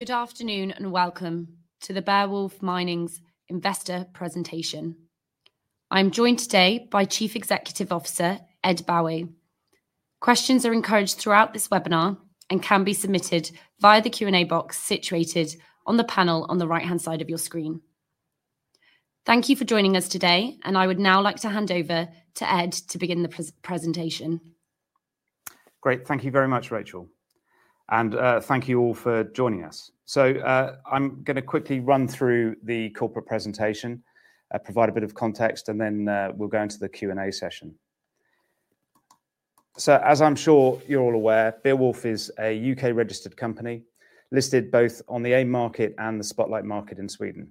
Good afternoon and welcome to the Beowulf Mining's investor presentation. I'm joined today by Chief Executive Officer Ed Bowie. Questions are encouraged throughout this webinar and can be submitted via the Q&A box situated on the panel on the right-hand side of your screen. Thank you for joining us today, and I would now like to hand over to Ed to begin the presentation. Great, thank you very much, Rachel. Thank you all for joining us. I'm going to quickly run through the corporate presentation, provide a bit of context, and then we'll go into the Q&A session. As I'm sure you're all aware, Beowulf is a U.K.-registered company listed both on the AIM market and the Spotlight market in Sweden.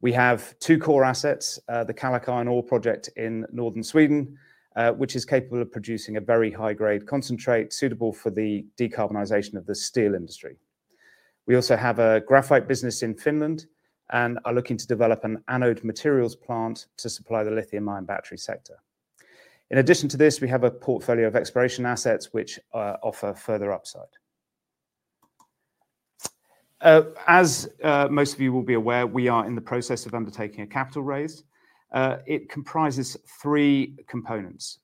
We have two core assets, the Kallak iron ore project in northern Sweden, which is capable of producing a very high-grade concentrate suitable for the decarbonization of the steel industry. We also have a graphite business in Finland and are looking to develop an anode materials plant to supply the lithium-ion battery sector. In addition to this, we have a portfolio of exploration assets which offer further upside. As most of you will be aware, we are in the process of undertaking a capital raise. It comprises three components.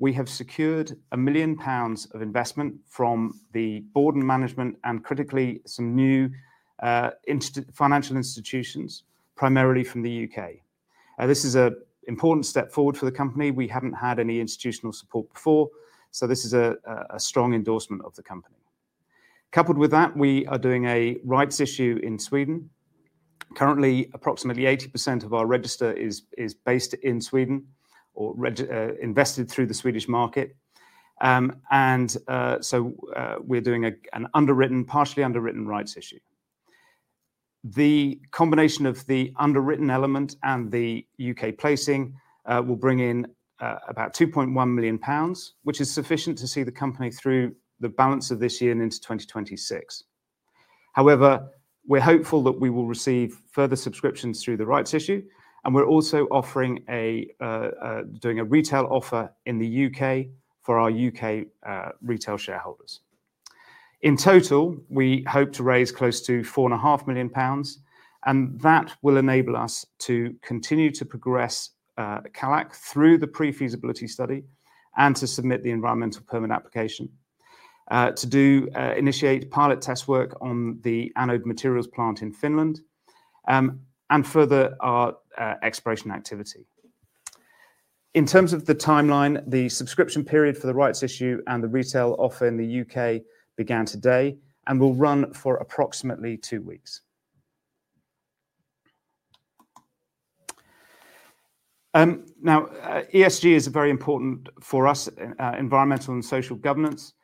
We have secured 1 million pounds of investment from the board and management, and critically, some new financial institutions, primarily from the U.K. This is an important step forward for the company. We have not had any institutional support before, so this is a strong endorsement of the company. Coupled with that, we are doing a rights issue in Sweden. Currently, approximately 80% of our register is based in Sweden or invested through the Swedish market. We are doing a partially underwritten rights issue. The combination of the underwritten element and the U.K. placing will bring in about 2.1 million pounds, which is sufficient to see the company through the balance of this year and into 2026. However, we are hopeful that we will receive further subscriptions through the rights issue, and we are also doing a retail offer in the U.K. for our U.K. retail shareholders. In total, we hope to raise close to 4.5 million pounds, and that will enable us to continue to progress Kallak through the pre-feasibility study and to submit the Environmental Permit Application, to initiate pilot test work on the anode materials plant in Finland, and further our exploration activity. In terms of the timeline, the subscription period for the rights issue and the retail offer in the U.K. began today and will run for approximately two weeks. Now, ESG is very important for us, environmental and social governance.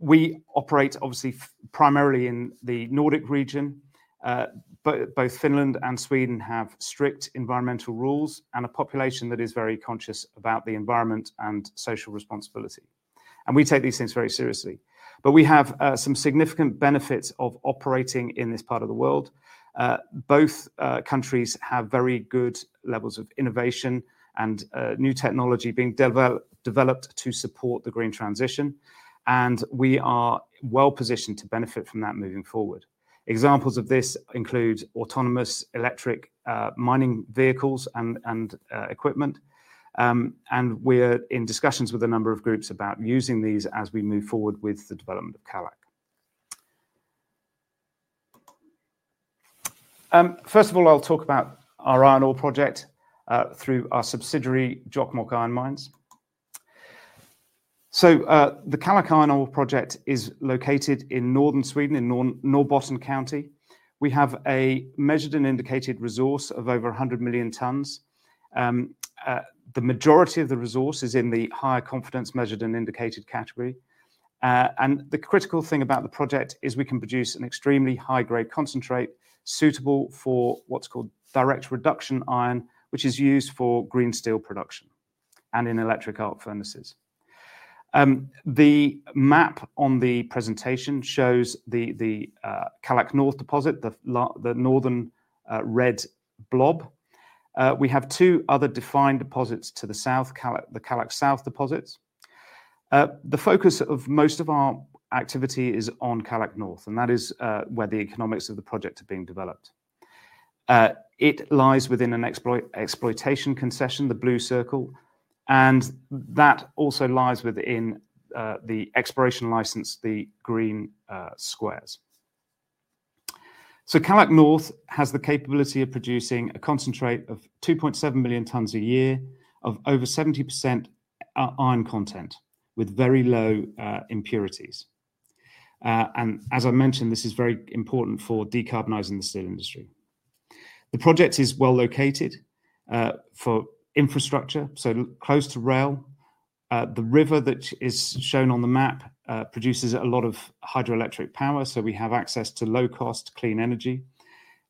We operate, obviously, primarily in the Nordic region, but both Finland and Sweden have strict environmental rules and a population that is very conscious about the environment and social responsibility. We take these things very seriously. We have some significant benefits of operating in this part of the world. Both countries have very good levels of innovation and new technology being developed to support the green transition, and we are well positioned to benefit from that moving forward. Examples of this include autonomous electric mining vehicles and equipment, and we're in discussions with a number of groups about using these as we move forward with the development of Kallak. First of all, I'll talk about our iron ore project through our subsidiary Jokkmokk Iron Mines. The Kallak iron ore project is located in northern Sweden, in Norrbotten County. We have a measured and indicated resource of over 100 million tonnes. The majority of the resource is in the high confidence measured and indicated category. The critical thing about the project is we can produce an extremely high-grade concentrate suitable for what's called Direct Reduction Iron, which is used for green steel production and in electric arc furnaces. The map on the presentation shows the Kallak North deposit, the northern red blob. We have two other defined deposits to the south, the Kallak South deposits. The focus of most of our activity is on Kallak North, and that is where the economics of the project are being developed. It lies within an exploitation concession, the blue circle, and that also lies within the exploration license, the green squares. Kallak North has the capability of producing a concentrate of 2.7 million tonnes/year of over 70% iron content with very low impurities. As I mentioned, this is very important for decarbonising the steel industry. The project is well located for infrastructure, close to rail. The river that is shown on the map produces a lot of hydroelectric power, so we have access to low-cost clean energy.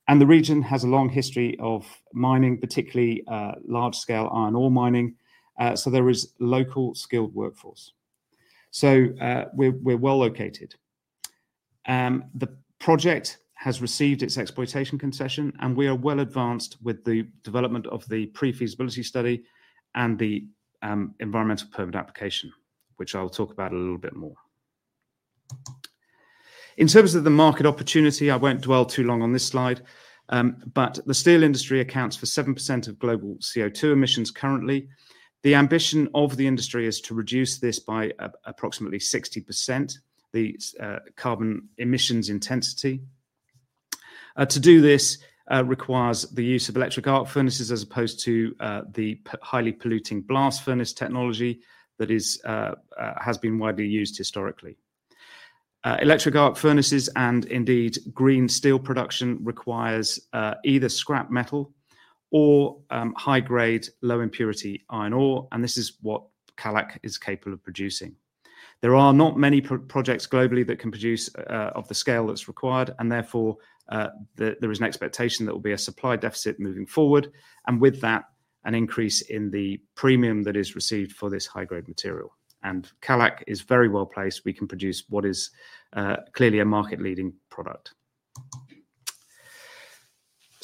The region has a long history of mining, particularly large-scale iron ore mining, so there is a local skilled workforce. We are well located. The project has received its exploitation concession, and we are well advanced with the development of the pre-feasibility study and the Environmental Permit Application, which I'll talk about a little bit more. In terms of the market opportunity, I won't dwell too long on this slide, but the steel industry accounts for 7% of global CO2 emissions currently. The ambition of the industry is to reduce this by approximately 60%, the carbon emissions intensity. To do this requires the use of electric arc furnaces as opposed to the highly polluting blast furnace technology that has been widely used historically. Electric arc furnaces and indeed green steel production requires either scrap metal or high-grade, low-impurity iron ore, and this is what Kallak is capable of producing. There are not many projects globally that can produce of the scale that's required, and therefore there is an expectation that there will be a supply deficit moving forward, and with that, an increase in the premium that is received for this high-grade material. Kallak is very well placed. We can produce what is clearly a market-leading product.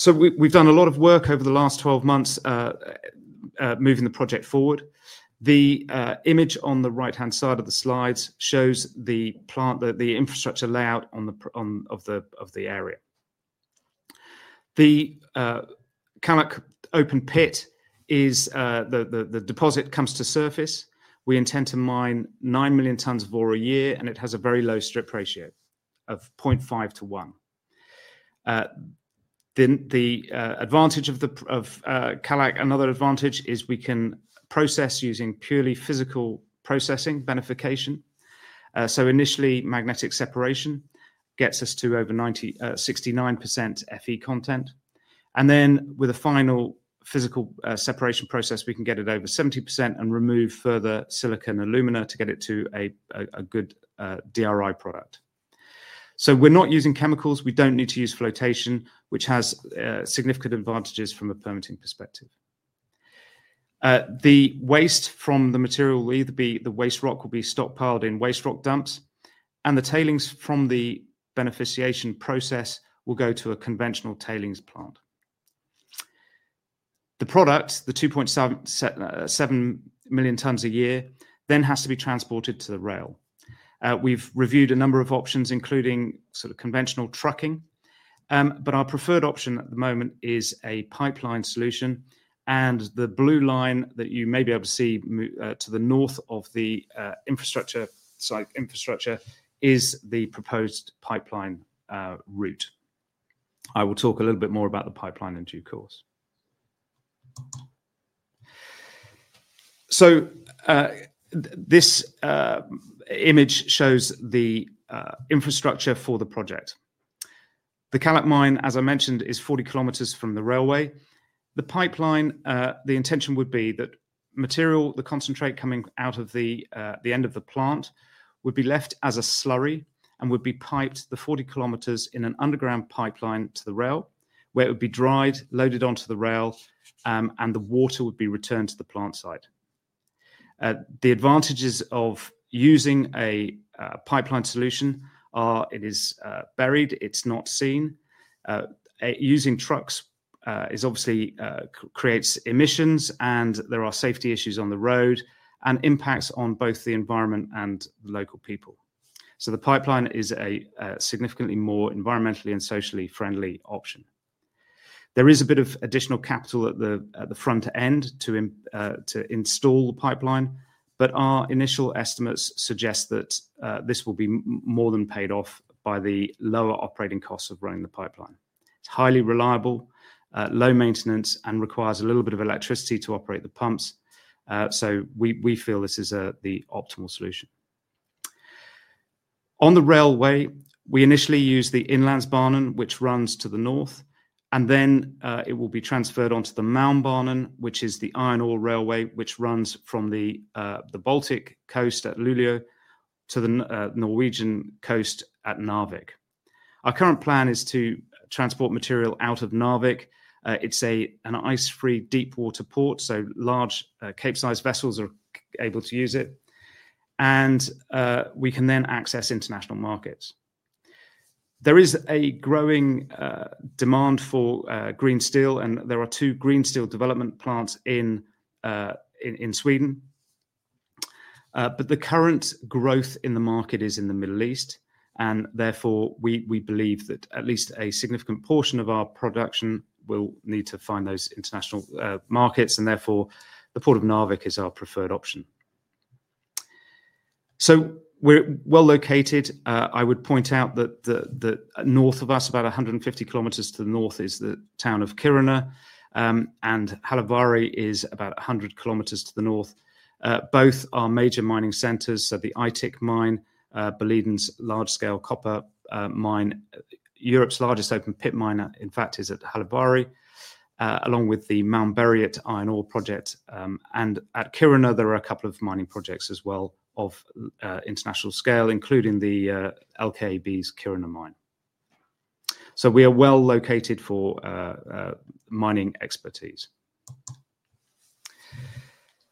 We have done a lot of work over the last 12 months moving the project forward. The image on the right-hand side of the slides shows the infrastructure layout of the area. The Kallak open pit is the deposit that comes to surface. We intend to mine 9 million tonnes of ore a year, and it has a very low strip ratio of 0.5 to 1. The advantage of Kallak, another advantage, is we can process using purely physical processing beneficiation. Initially, magnetic separation gets us to over 69% Fe content. With a final physical separation process, we can get it over 70% and remove further silica and alumina to get it to a good DRI product. We are not using chemicals. We do not need to use flotation, which has significant advantages from a permitting perspective. The waste from the material will either be the waste rock, which will be stockpiled in waste rock dumps, and the tailings from the beneficiation process will go to a conventional tailings plant. The product, the 2.7 million tonnes/year, then has to be transported to the rail. We have reviewed a number of options, including sort of conventional trucking, but our preferred option at the moment is a pipeline solution, and the blue line that you may be able to see to the north of the infrastructure site is the proposed pipeline route. I will talk a little bit more about the pipeline in due course. This image shows the infrastructure for the project. The Kallak mine, as I mentioned, is 40 km from the railway. The pipeline, the intention would be that material, the concentrate coming out of the end of the plant, would be left as a slurry and would be piped the 40 km in an underground pipeline to the rail, where it would be dried, loaded onto the rail, and the water would be returned to the plant site. The advantages of using a pipeline solution are it is buried. It is not seen. Using trucks obviously creates emissions, and there are safety issues on the road and impacts on both the environment and the local people. The pipeline is a significantly more environmentally and socially friendly option. There is a bit of additional capital at the front end to install the pipeline, but our initial estimates suggest that this will be more than paid off by the lower operating costs of running the pipeline. It is highly reliable, low maintenance, and requires a little bit of electricity to operate the pumps. We feel this is the optimal solution. On the railway, we initially use the Inlandsbanan, which runs to the north, and then it will be transferred onto the Malmbanan, which is the iron ore railway, which runs from the Baltic coast at Luleå to the Norwegian coast at Narvik. Our current plan is to transport material out of Narvik. It is an ice-free deep-water port, so large cape-sized vessels are able to use it, and we can then access international markets. There is a growing demand for green steel, and there are two green steel development plants in Sweden. The current growth in the market is in the Middle East, and therefore we believe that at least a significant portion of our production will need to find those international markets, and therefore the port of Narvik is our preferred option. We are well located. I would point out that north of us, about 150 km to the north, is the town of Kiruna, and Gällivare is about 100 km to the north. Both are major mining centers. The Aitik mine, Boliden's large-scale copper mine, Europe's largest open pit mine, in fact, is at Gällivare, along with the Malmberget Iron Ore Project. At Kiruna, there are a couple of mining projects as well of international scale, including LKAB's Kiruna mine. We are well located for mining expertise.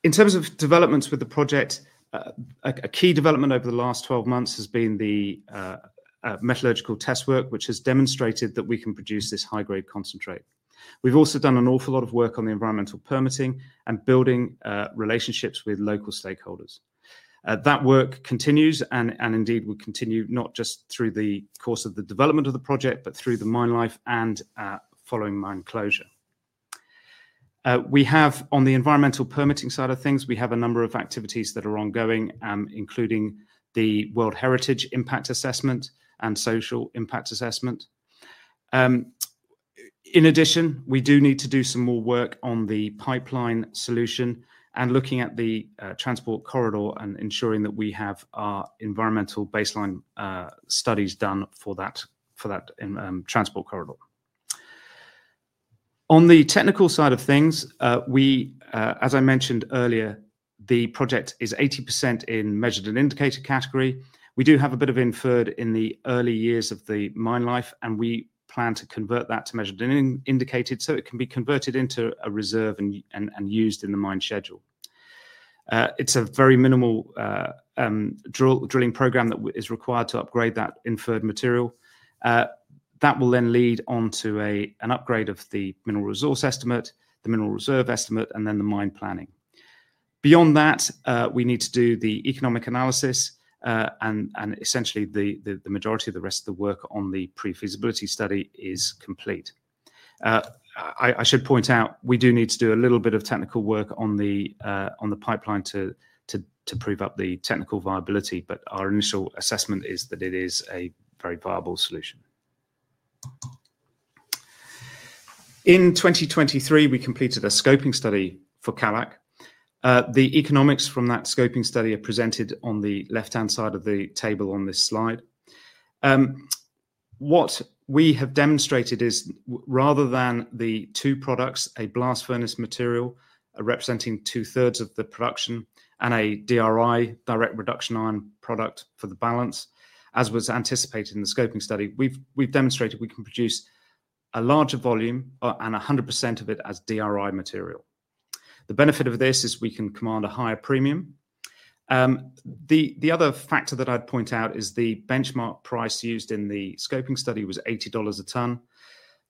In terms of developments with the project, a key development over the last 12 months has been the metallurgical test work, which has demonstrated that we can produce this high-grade concentrate. We have also done an awful lot of work on the environmental permitting and building relationships with local stakeholders. That work continues, and indeed will continue not just through the course of the development of the project, but through the mine life and following mine closure. On the environmental permitting side of things, we have a number of activities that are ongoing, including the World Heritage Impact Assessment and Social Impact Assessment. In addition, we do need to do some more work on the pipeline solution and looking at the transport corridor and ensuring that we have our environmental baseline studies done for that transport corridor. On the technical side of things, as I mentioned earlier, the project is 80% in measured and indicated category. We do have a bit of inferred in the early years of the mine life, and we plan to convert that to measured and indicated so it can be converted into a reserve and used in the mine schedule. It's a very minimal drilling program that is required to upgrade that inferred material. That will then lead on to an upgrade of the mineral resource estimate, the mineral reserve estimate, and then the mine planning. Beyond that, we need to do the economic analysis, and essentially the majority of the rest of the work on the pre-feasibility study is complete. I should point out we do need to do a little bit of technical work on the pipeline to prove up the technical viability, but our initial assessment is that it is a very viable solution. In 2023, we completed a Scoping study for Kallak. The economics from that Scoping study are presented on the left-hand side of the table on this slide. What we have demonstrated is, rather than the two products, a blast furnace material representing two-thirds of the production and a DRI Direct Reduction Iron product for the balance, as was anticipated in the Scoping study, we have demonstrated we can produce a larger volume and 100% of it as DRI material. The benefit of this is we can command a higher premium. The other factor that I would point out is the benchmark price used in the Scoping study was $80/t.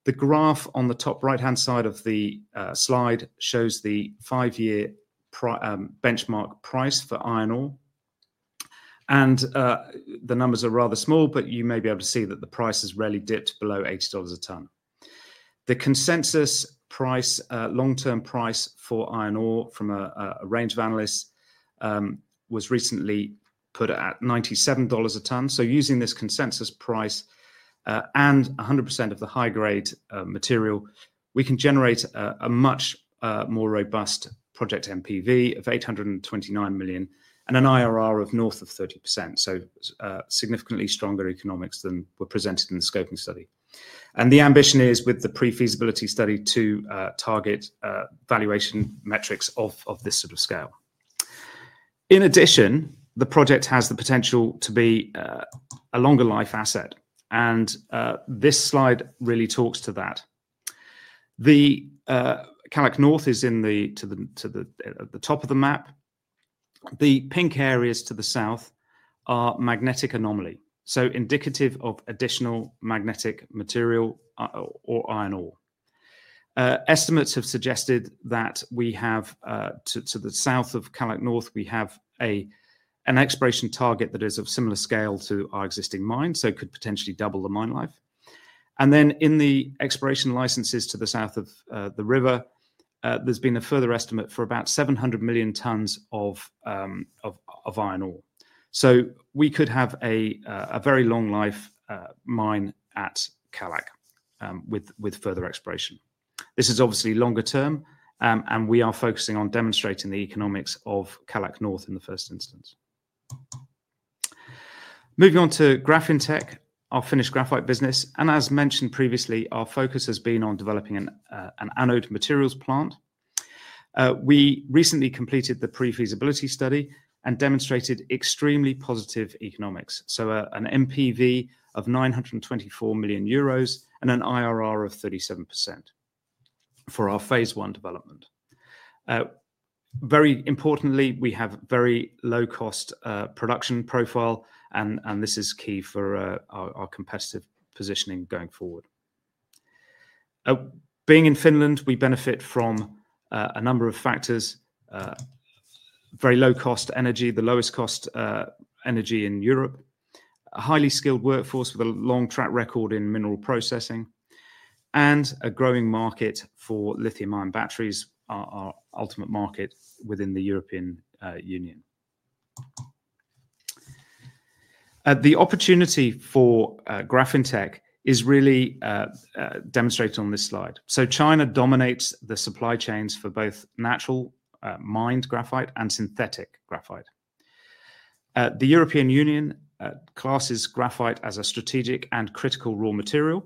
The graph on the top right-hand side of the slide shows the five-year benchmark price for iron ore. The numbers are rather small, but you may be able to see that the price has rarely dipped below $80/t. The consensus price, long-term price for iron ore from a range of analysts was recently put at $97/t. Using this consensus price and 100% of the high-grade material, we can generate a much more robust project NPV of $829 million and an IRR of north of 30%. Significantly stronger economics than were presented in the Scoping study. The ambition is with the pre-feasibility study to target valuation metrics of this sort of scale. In addition, the project has the potential to be a longer life asset, and this slide really talks to that. The Kallak North is at the top of the map. The pink areas to the south are magnetic anomaly, so indicative of additional magnetic material or iron ore. Estimates have suggested that we have to the south of Kallak North, we have an exploration target that is of similar scale to our existing mine, so it could potentially double the mine life. In the exploration licenses to the south of the river, there has been a further estimate for about 700 million tonnes of iron ore. We could have a very long-life mine at Kallak with further exploration. This is obviously longer term, and we are focusing on demonstrating the economics of Kallak North in the first instance. Moving on to Grafintec, our Finnish graphite business. As mentioned previously, our focus has been on developing an anode materials plant. We recently completed the pre-feasibility study and demonstrated extremely positive economics. An MPV of 924 million euros and an IRR of 37% for our phase one development. Very importantly, we have a very low-cost production profile, and this is key for our competitive positioning going forward. Being in Finland, we benefit from a number of factors: very low-cost energy, the lowest-cost energy in Europe, a highly skilled workforce with a long track record in mineral processing, and a growing market for lithium-ion batteries, our ultimate market within the European Union. The opportunity for Grafintec is really demonstrated on this slide. China dominates the supply chains for both natural mined graphite and synthetic graphite. The European Union classes graphite as a strategic and critical raw material,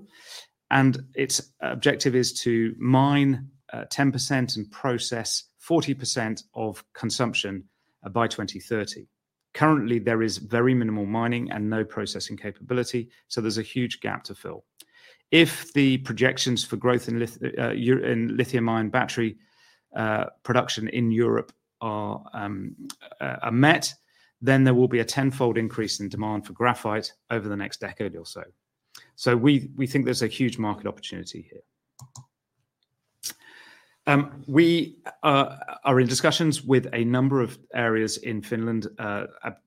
and its objective is to mine 10% and process 40% of consumption by 2030. Currently, there is very minimal mining and no processing capability, so there is a huge gap to fill. If the projections for growth in lithium-ion battery production in Europe are met, then there will be a tenfold increase in demand for graphite over the next decade or so. We think there is a huge market opportunity here. We are in discussions with a number of areas in Finland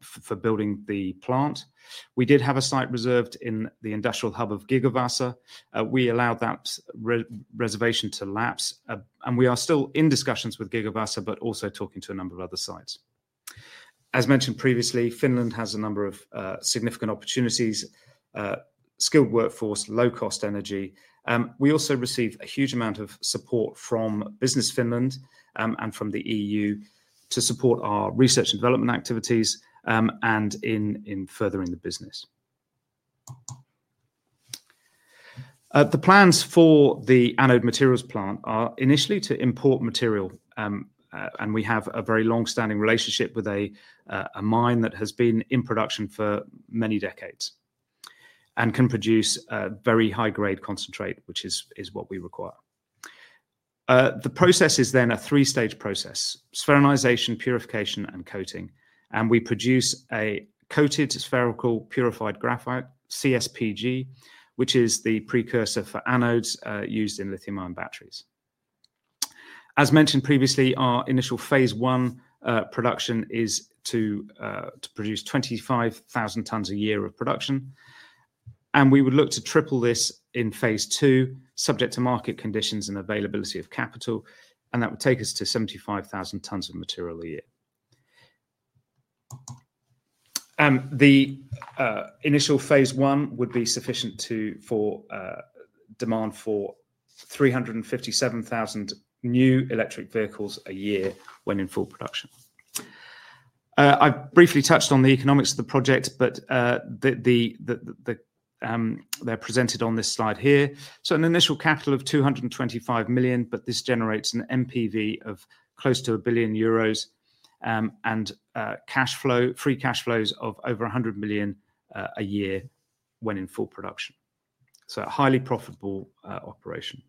for building the plant. We did have a site reserved in the industrial hub of GigaVaasa. We allowed that reservation to lapse, and we are still in discussions with GigaVaasa, but also talking to a number of other sites. As mentioned previously, Finland has a number of significant opportunities, skilled workforce, low-cost energy. We also receive a huge amount of support from Business Finland and from the EU to support our research and development activities and in furthering the business. The plans for the anode materials plant are initially to import material, and we have a very long-standing relationship with a mine that has been in production for many decades and can produce very high-grade concentrate, which is what we require. The process is then a three-stage process: spheronization, purification, and coating. We produce a Coated Spherical Purified Graphite, CSPG, which is the precursor for anodes used in lithium-ion batteries. As mentioned previously, our initial phase one production is to produce 25,000 tonnes/year of production, and we would look to triple this in phase two, subject to market conditions and availability of capital, and that would take us to 75,000 tonnes of material a year. The initial phase one would be sufficient for demand for 357,000 new electric vehicles a year when in full production. I briefly touched on the economics of the project, but they're presented on this slide here. An initial capital of 225 million, but this generates an MPV of close to 1 billion euros and free cash flows of over 100 million a year when in full production. A highly profitable operation.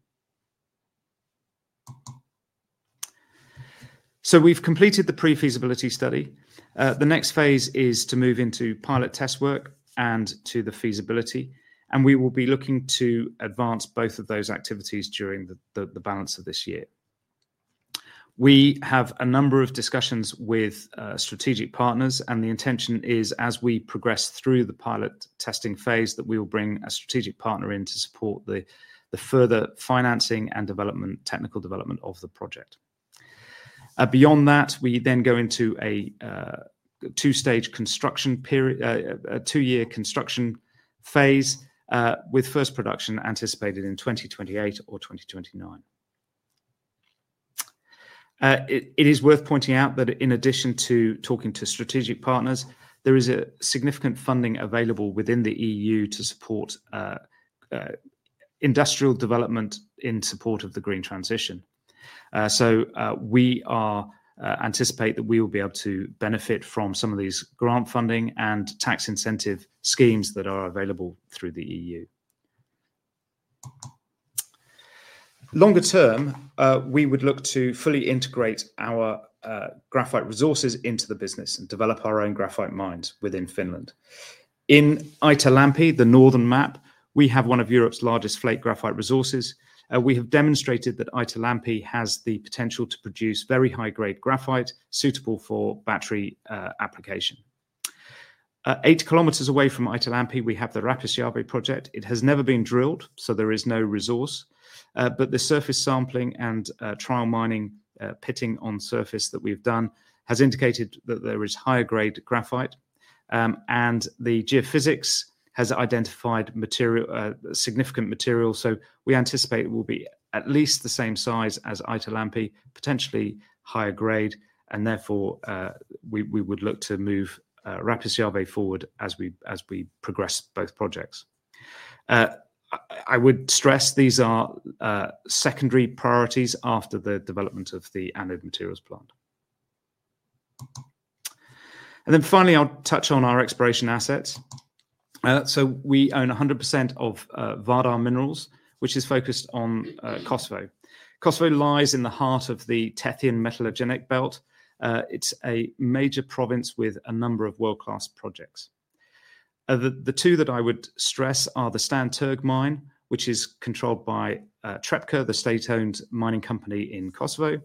We've completed the pre-feasibility study. The next phase is to move into pilot test work and to the feasibility, and we will be looking to advance both of those activities during the balance of this year. We have a number of discussions with strategic partners, and the intention is, as we progress through the pilot testing phase, that we will bring a strategic partner in to support the further financing and technical development of the project. Beyond that, we then go into a two-year construction phase with first production anticipated in 2028 or 2029. It is worth pointing out that in addition to talking to strategic partners, there is significant funding available within the EU to support industrial development in support of the green transition. We anticipate that we will be able to benefit from some of these grant funding and tax incentive schemes that are available through the EU. Longer term, we would look to fully integrate our graphite resources into the business and develop our own graphite mines within Finland. In Aitalampi, the northern map, we have one of Europe's largest flake graphite resources. We have demonstrated that Aitalampi has the potential to produce very high-grade graphite suitable for battery application. Eight kilometers away from Aitalampi, we have the Rappusjärvi project. It has never been drilled, so there is no resource. The surface sampling and trial mining pitting on surface that we've done has indicated that there is higher-grade graphite, and the geophysics has identified significant material. We anticipate it will be at least the same size as Aitalampi, potentially higher grade, and therefore we would look to move Rappusjärvi forward as we progress both projects. I would stress these are secondary priorities after the development of the anode materials plant. Finally, I'll touch on our exploration assets. We own 100% of Vardar Minerals, which is focused on Kosovo. Kosovo lies in the heart of the Tethian metallurgic belt. It's a major province with a number of world-class projects. The two that I would stress are the Stan Trg mine, which is controlled by Trepça, the state-owned mining company in Kosovo.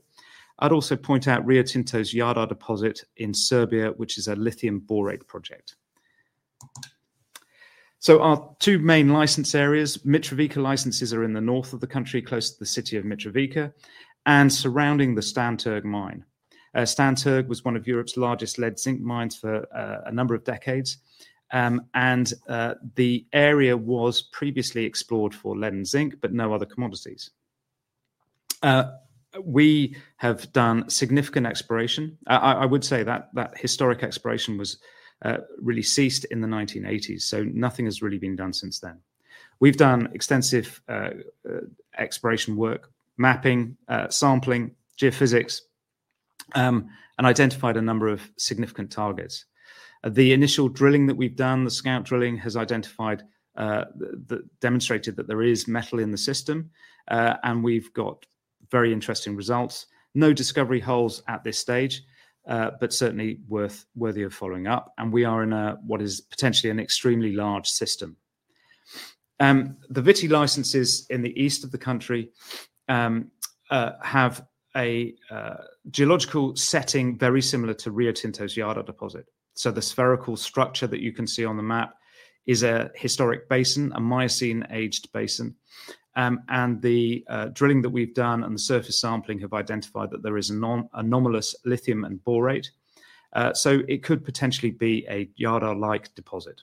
I'd also point out Rio Tinto's Jadar deposit in Serbia, which is a lithium borate project. Our two main licence areas, Mitrovica licences, are in the north of the country, close to the city of Mitrovica, and surrounding the Stan Trg mine. Stan Trg was one of Europe's largest lead zinc mines for a number of decades, and the area was previously explored for lead and zinc, but no other commodities. We have done significant exploration. I would say that that historic exploration was really ceased in the 1980s, so nothing has really been done since then. We've done extensive exploration work, mapping, sampling, geophysics, and identified a number of significant targets. The initial drilling that we've done, the scout drilling, has demonstrated that there is metal in the system, and we've got very interesting results. No discovery holes at this stage, but certainly worthy of following up, and we are in what is potentially an extremely large system. The Vitia licences in the east of the country have a geological setting very similar to Rio Tinto's Jadar deposit. The spherical structure that you can see on the map is a historic basin, a Miocene-aged basin, and the drilling that we've done and the surface sampling have identified that there is an anomalous lithium and borate, so it could potentially be a Jadar-like deposit.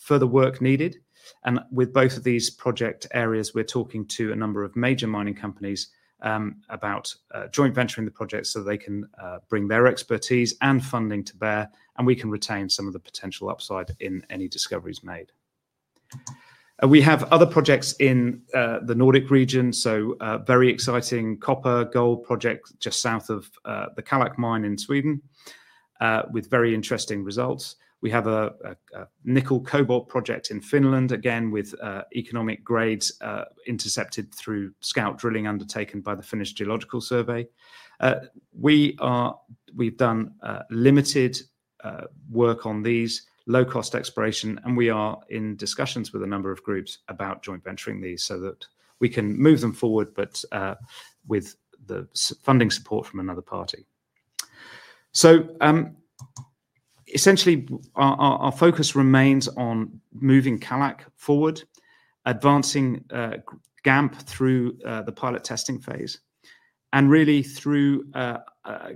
Further work needed, and with both of these project areas, we're talking to a number of major mining companies about joint venturing the project so they can bring their expertise and funding to bear, and we can retain some of the potential upside in any discoveries made. We have other projects in the Nordic region, very exciting copper gold project just south of the Kallak mine in Sweden with very interesting results. We have a nickel cobalt project in Finland, again with economic grades intercepted through scout drilling undertaken by the Finnish Geological Survey. We've done limited work on these low-cost exploration, and we are in discussions with a number of groups about joint venturing these so that we can move them forward, but with the funding support from another party. Essentially, our focus remains on moving Kallak forward, advancing GAMP through the pilot testing phase, and really through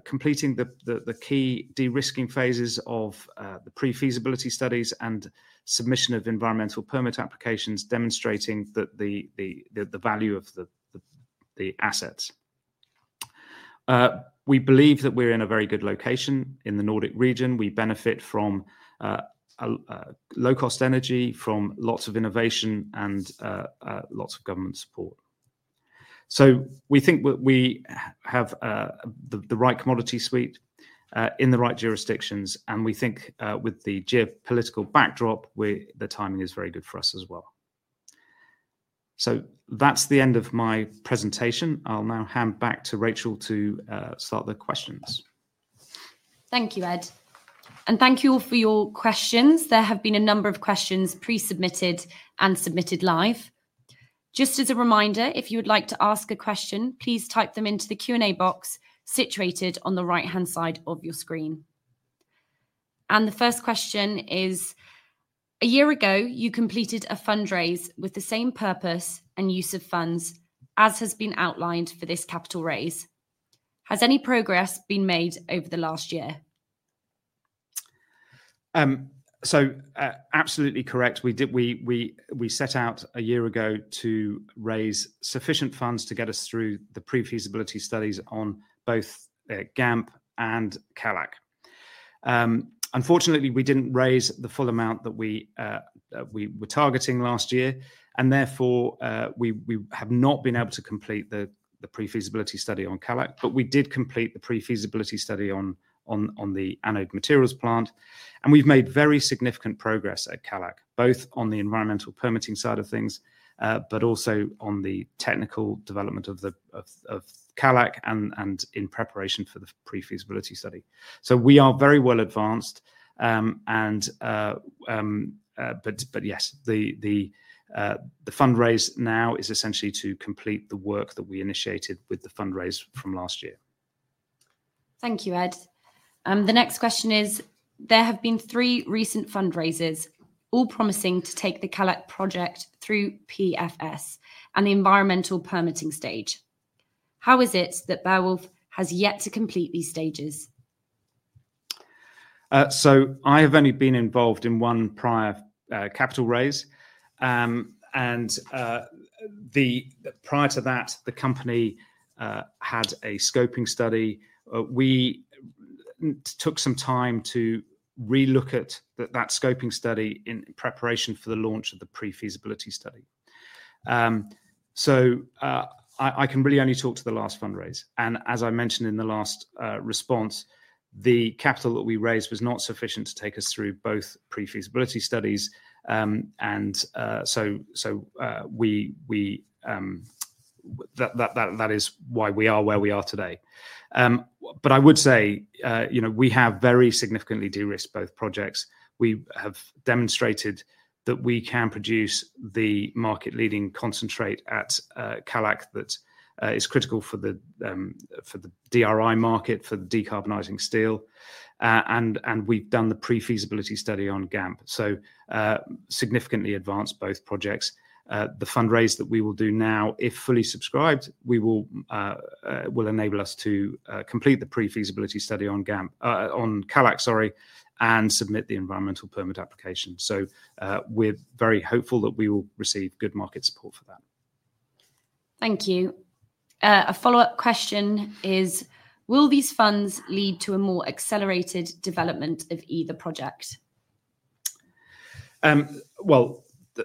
completing the key de-risking phases of the pre-feasibility studies and submission of Environmental Permit Applications, demonstrating the value of the assets. We believe that we're in a very good location in the Nordic region. We benefit from low-cost energy, from lots of innovation, and lots of government support. We think we have the right commodity suite in the right jurisdictions, and we think with the geopolitical backdrop, the timing is very good for us as well. That is the end of my presentation. I'll now hand back to Rachel to start the questions. Thank you, Ed, and thank you all for your questions. There have been a number of questions pre-submitted and submitted live. Just as a reminder, if you would like to ask a question, please type them into the Q&A box situated on the right-hand side of your screen. The first question is, a year ago, you completed a fundraise with the same purpose and use of funds as has been outlined for this capital raise. Has any progress been made over the last year? Absolutely correct. We set out a year ago to raise sufficient funds to get us through the pre-feasibility studies on both GAMP and Kallak. Unfortunately, we did not raise the full amount that we were targeting last year, and therefore we have not been able to complete the pre-feasibility study on Kallak, but we did complete the pre-feasibility study on the anode materials plant, and we have made very significant progress at Kallak, both on the environmental permitting side of things, but also on the technical development of Kallak and in preparation for the pre-feasibility study. We are very well advanced, but yes, the fundraise now is essentially to complete the work that we initiated with the fundraise from last year. Thank you, Ed. The next question is, there have been three recent fundraises, all promising to take the Kallak project through PFS and the environmental permitting stage. How is it that Beowulf has yet to complete these stages? I have only been involved in one prior capital raise, and prior to that, the company had a Scoping study. We took some time to relook at that Scoping study in preparation for the launch of the pre-feasibility study. I can really only talk to the last fundraise, and as I mentioned in the last response, the capital that we raised was not sufficient to take us through both pre-feasibility studies, and that is why we are where we are today. I would say we have very significantly de-risked both projects. We have demonstrated that we can produce the market-leading concentrate at Kallak that is critical for the DRI market, for the decarbonising steel, and we've done the pre-feasibility study on GAMP, so significantly advanced both projects. The fundraise that we will do now, if fully subscribed, will enable us to complete the pre-feasibility study on Kallak, sorry, and submit the Environmental Permit Application. We are very hopeful that we will receive good market support for that. Thank you. A follow-up question is, will these funds lead to a more accelerated development of either project?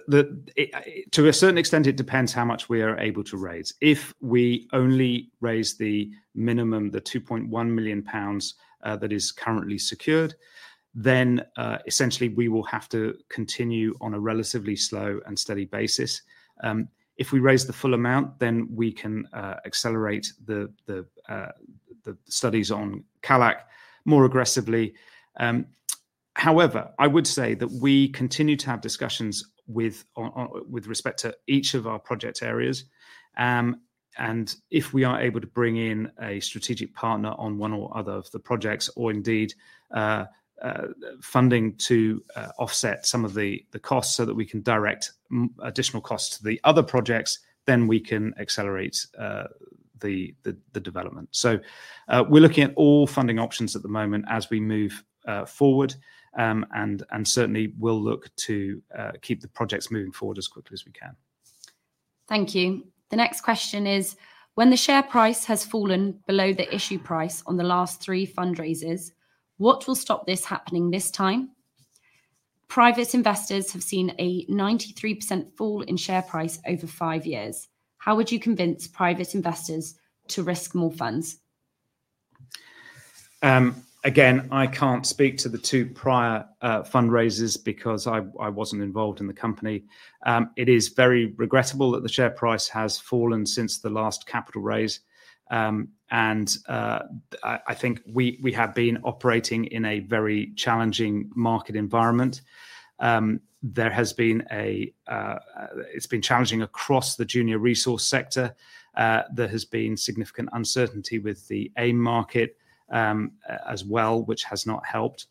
To a certain extent, it depends how much we are able to raise. If we only raise the minimum, the 2.1 million pounds that is currently secured, then essentially we will have to continue on a relatively slow and steady basis. If we raise the full amount, then we can accelerate the studies on Kallak more aggressively. However, I would say that we continue to have discussions with respect to each of our project areas, and if we are able to bring in a strategic partner on one or other of the projects or indeed funding to offset some of the costs so that we can direct additional costs to the other projects, then we can accelerate the development. We are looking at all funding options at the moment as we move forward, and certainly we will look to keep the projects moving forward as quickly as we can. Thank you. The next question is, when the share price has fallen below the issue price on the last three fundraisers, what will stop this happening this time? Private investors have seen a 93% fall in share price over five years. How would you convince private investors to risk more funds? Again, I can't speak to the two prior fundraisers because I wasn't involved in the company. It is very regrettable that the share price has fallen since the last capital raise, and I think we have been operating in a very challenging market environment. There has been a—it has been challenging across the junior resource sector. There has been significant uncertainty with the AIM market as well, which has not helped.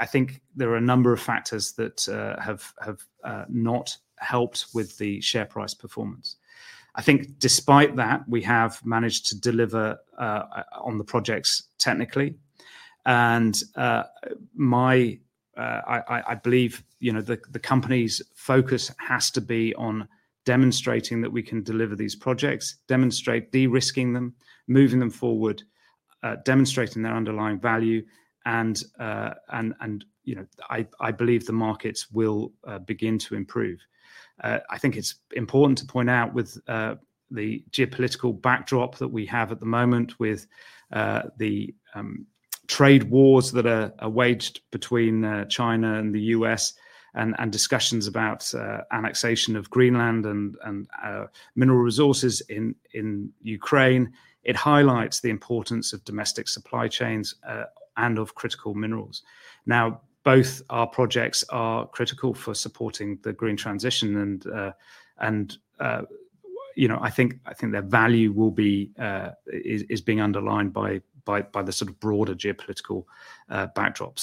I think there are a number of factors that have not helped with the share price performance. I think despite that, we have managed to deliver on the projects technically, and I believe the company's focus has to be on demonstrating that we can deliver these projects, demonstrate de-risking them, moving them forward, demonstrating their underlying value, and I believe the markets will begin to improve. I think it's important to point out with the geopolitical backdrop that we have at the moment with the trade wars that are waged between China and the U.S. and discussions about annexation of Greenland and mineral resources in Ukraine, it highlights the importance of domestic supply chains and of critical minerals. Now, both our projects are critical for supporting the green transition, and I think their value is being underlined by the sort of broader geopolitical backdrop.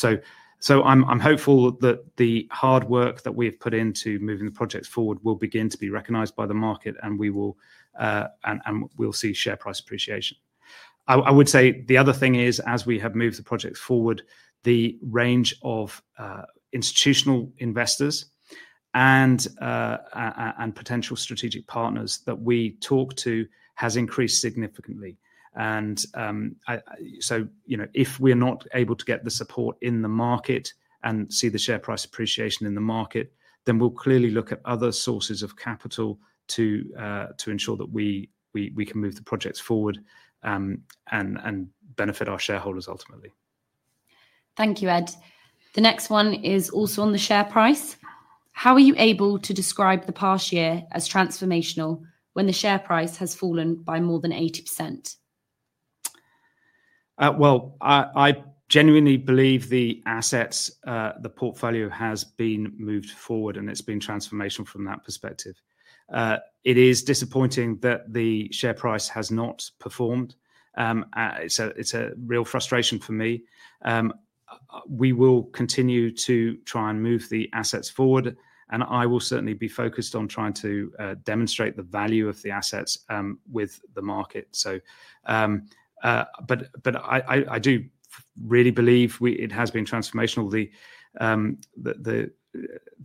I'm hopeful that the hard work that we have put into moving the projects forward will begin to be recognised by the market, and we will see share price appreciation. I would say the other thing is, as we have moved the projects forward, the range of institutional investors and potential strategic partners that we talk to has increased significantly. If we are not able to get the support in the market and see the share price appreciation in the market, then we will clearly look at other sources of capital to ensure that we can move the projects forward and benefit our shareholders ultimately. Thank you, Ed. The next one is also on the share price. How are you able to describe the past year as transformational when the share price has fallen by more than 80%? I genuinely believe the assets, the portfolio has been moved forward, and it has been transformational from that perspective. It is disappointing that the share price has not performed. It is a real frustration for me. We will continue to try and move the assets forward, and I will certainly be focused on trying to demonstrate the value of the assets with the market. I do really believe it has been transformational. The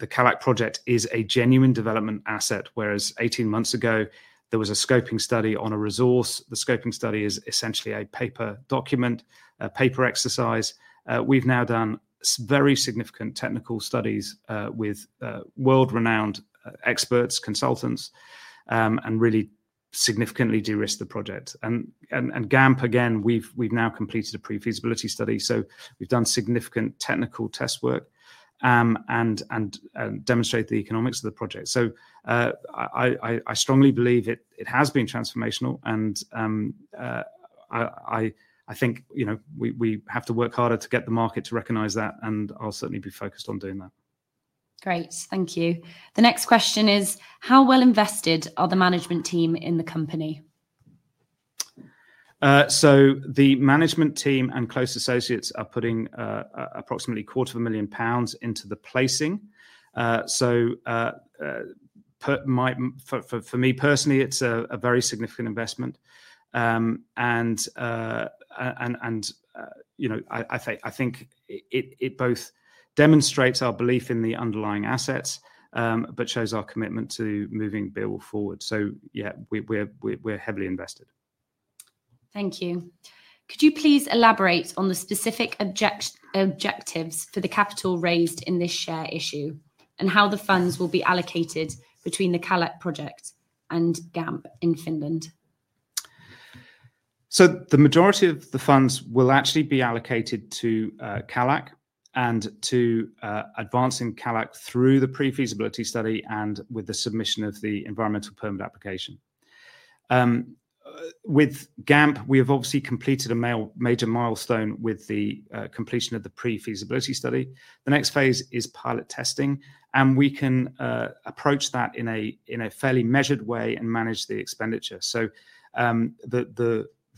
Kallak project is a genuine development asset, whereas 18 months ago there was a Scoping study on a resource. The Scoping study is essentially a paper document, a paper exercise. We've now done very significant technical studies with world-renowned experts, consultants, and really significantly de-risked the project. GAMP, again, we've now completed a pre-feasibility study, so we've done significant technical test work and demonstrated the economics of the project. I strongly believe it has been transformational, and I think we have to work harder to get the market to recognize that, and I'll certainly be focused on doing that. Great. Thank you. The next question is, how well invested are the management team in the company? The management team and close associates are putting approximately 250,000 pounds into the placing. For me personally, it's a very significant investment, and I think it both demonstrates our belief in the underlying assets but shows our commitment to moving Beowulf forward. Yeah, we're heavily invested. Thank you. Could you please elaborate on the specific objectives for the capital raised in this share issue and how the funds will be allocated between the Kallak project and GAMP in Finland? The majority of the funds will actually be allocated to Kallak and to advancing Kallak through the pre-feasibility study and with the submission of the Environmental Permit Application. With GAMP, we have obviously completed a major milestone with the completion of the pre-feasibility study. The next phase is pilot testing, and we can approach that in a fairly measured way and manage the expenditure.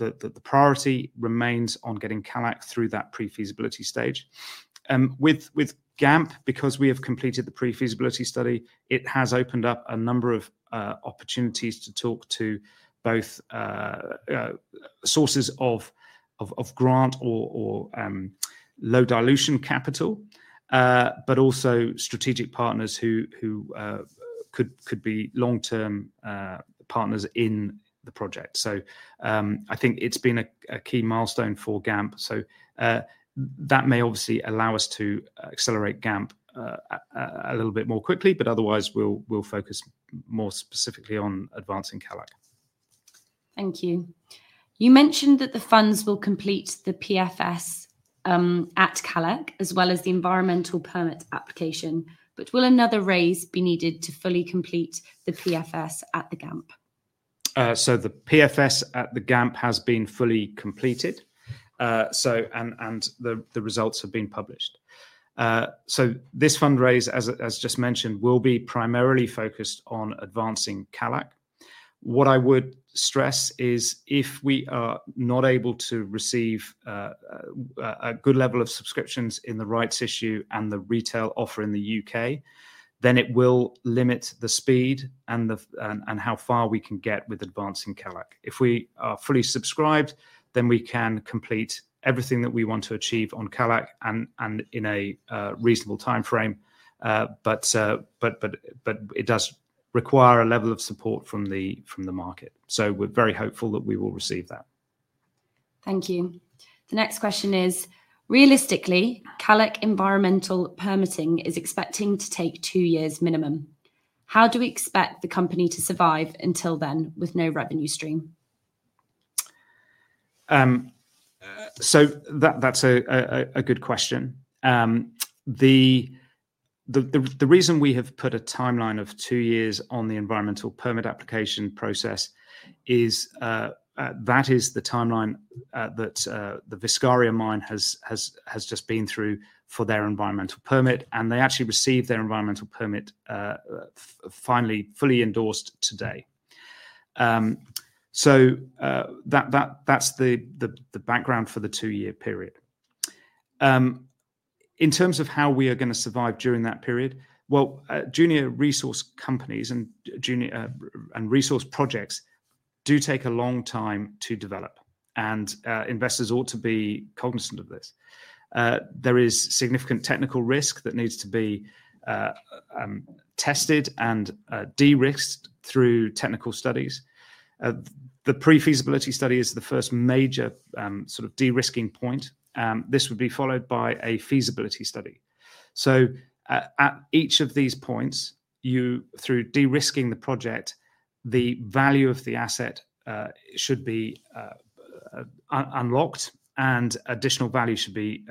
The priority remains on getting Kallak through that pre-feasibility stage. With GAMP, because we have completed the pre-feasibility study, it has opened up a number of opportunities to talk to both sources of grant or low dilution capital, but also strategic partners who could be long-term partners in the project. I think it's been a key milestone for GAMP. That may obviously allow us to accelerate GAMP a little bit more quickly, but otherwise we'll focus more specifically on advancing Kallak. Thank you. You mentioned that the funds will complete the PFS at Kallak as well as the Environmental Permit Application, but will another raise be needed to fully complete the PFS at the GAMP? The PFS at the GAMP has been fully completed, and the results have been published. This fundraise, as just mentioned, will be primarily focused on advancing Kallak. What I would stress is if we are not able to receive a good level of subscriptions in the rights issue and the retail offer in the U.K., then it will limit the speed and how far we can get with advancing Kallak. If we are fully subscribed, then we can complete everything that we want to achieve on Kallak and in a reasonable time frame, but it does require a level of support from the market. We are very hopeful that we will receive that. Thank you. The next question is, realistically, Kallak environmental permitting is expecting to take two years minimum. How do we expect the company to survive until then with no revenue stream? That is a good question. The reason we have put a timeline of two years on the Environmental Permit Application process is that is the timeline that the Viscaria mine has just been through for their environmental permit, and they actually received their environmental permit finally fully endorsed today. That is the background for the two-year period. In terms of how we are going to survive during that period, junior resource companies and resource projects do take a long time to develop, and investors ought to be cognizant of this. There is significant technical risk that needs to be tested and de-risked through technical studies. The pre-feasibility study is the first major sort of de-risking point. This would be followed by a feasibility study. At each of these points, through de-risking the project, the value of the asset should be unlocked, and additional value should be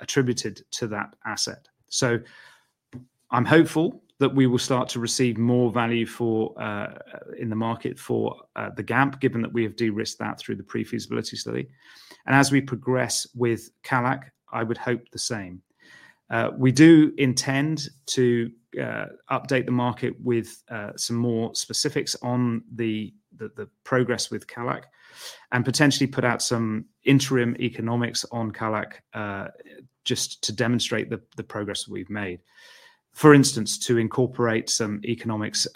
attributed to that asset. I'm hopeful that we will start to receive more value in the market for the GAMP, given that we have de-risked that through the pre-feasibility study. As we progress with Kallak, I would hope the same. We do intend to update the market with some more specifics on the progress with Kallak and potentially put out some interim economics on Kallak just to demonstrate the progress we've made. For instance, to incorporate some economics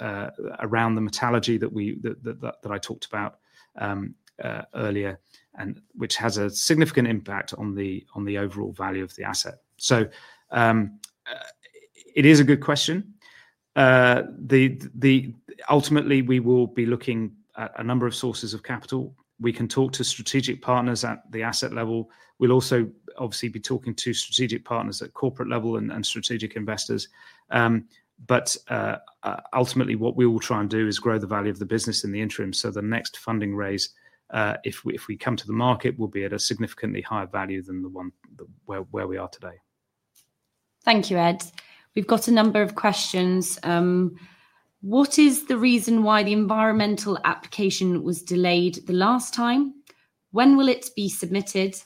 around the metallurgy that I talked about earlier, which has a significant impact on the overall value of the asset. It is a good question. Ultimately, we will be looking at a number of sources of capital. We can talk to strategic partners at the asset level. We'll also obviously be talking to strategic partners at corporate level and strategic investors. Ultimately, what we will try and do is grow the value of the business in the interim. The next funding raise, if we come to the market, will be at a significantly higher value than the one where we are today. Thank you, Ed. We've got a number of questions. What is the reason why the environmental application was delayed the last time? When will it be submitted?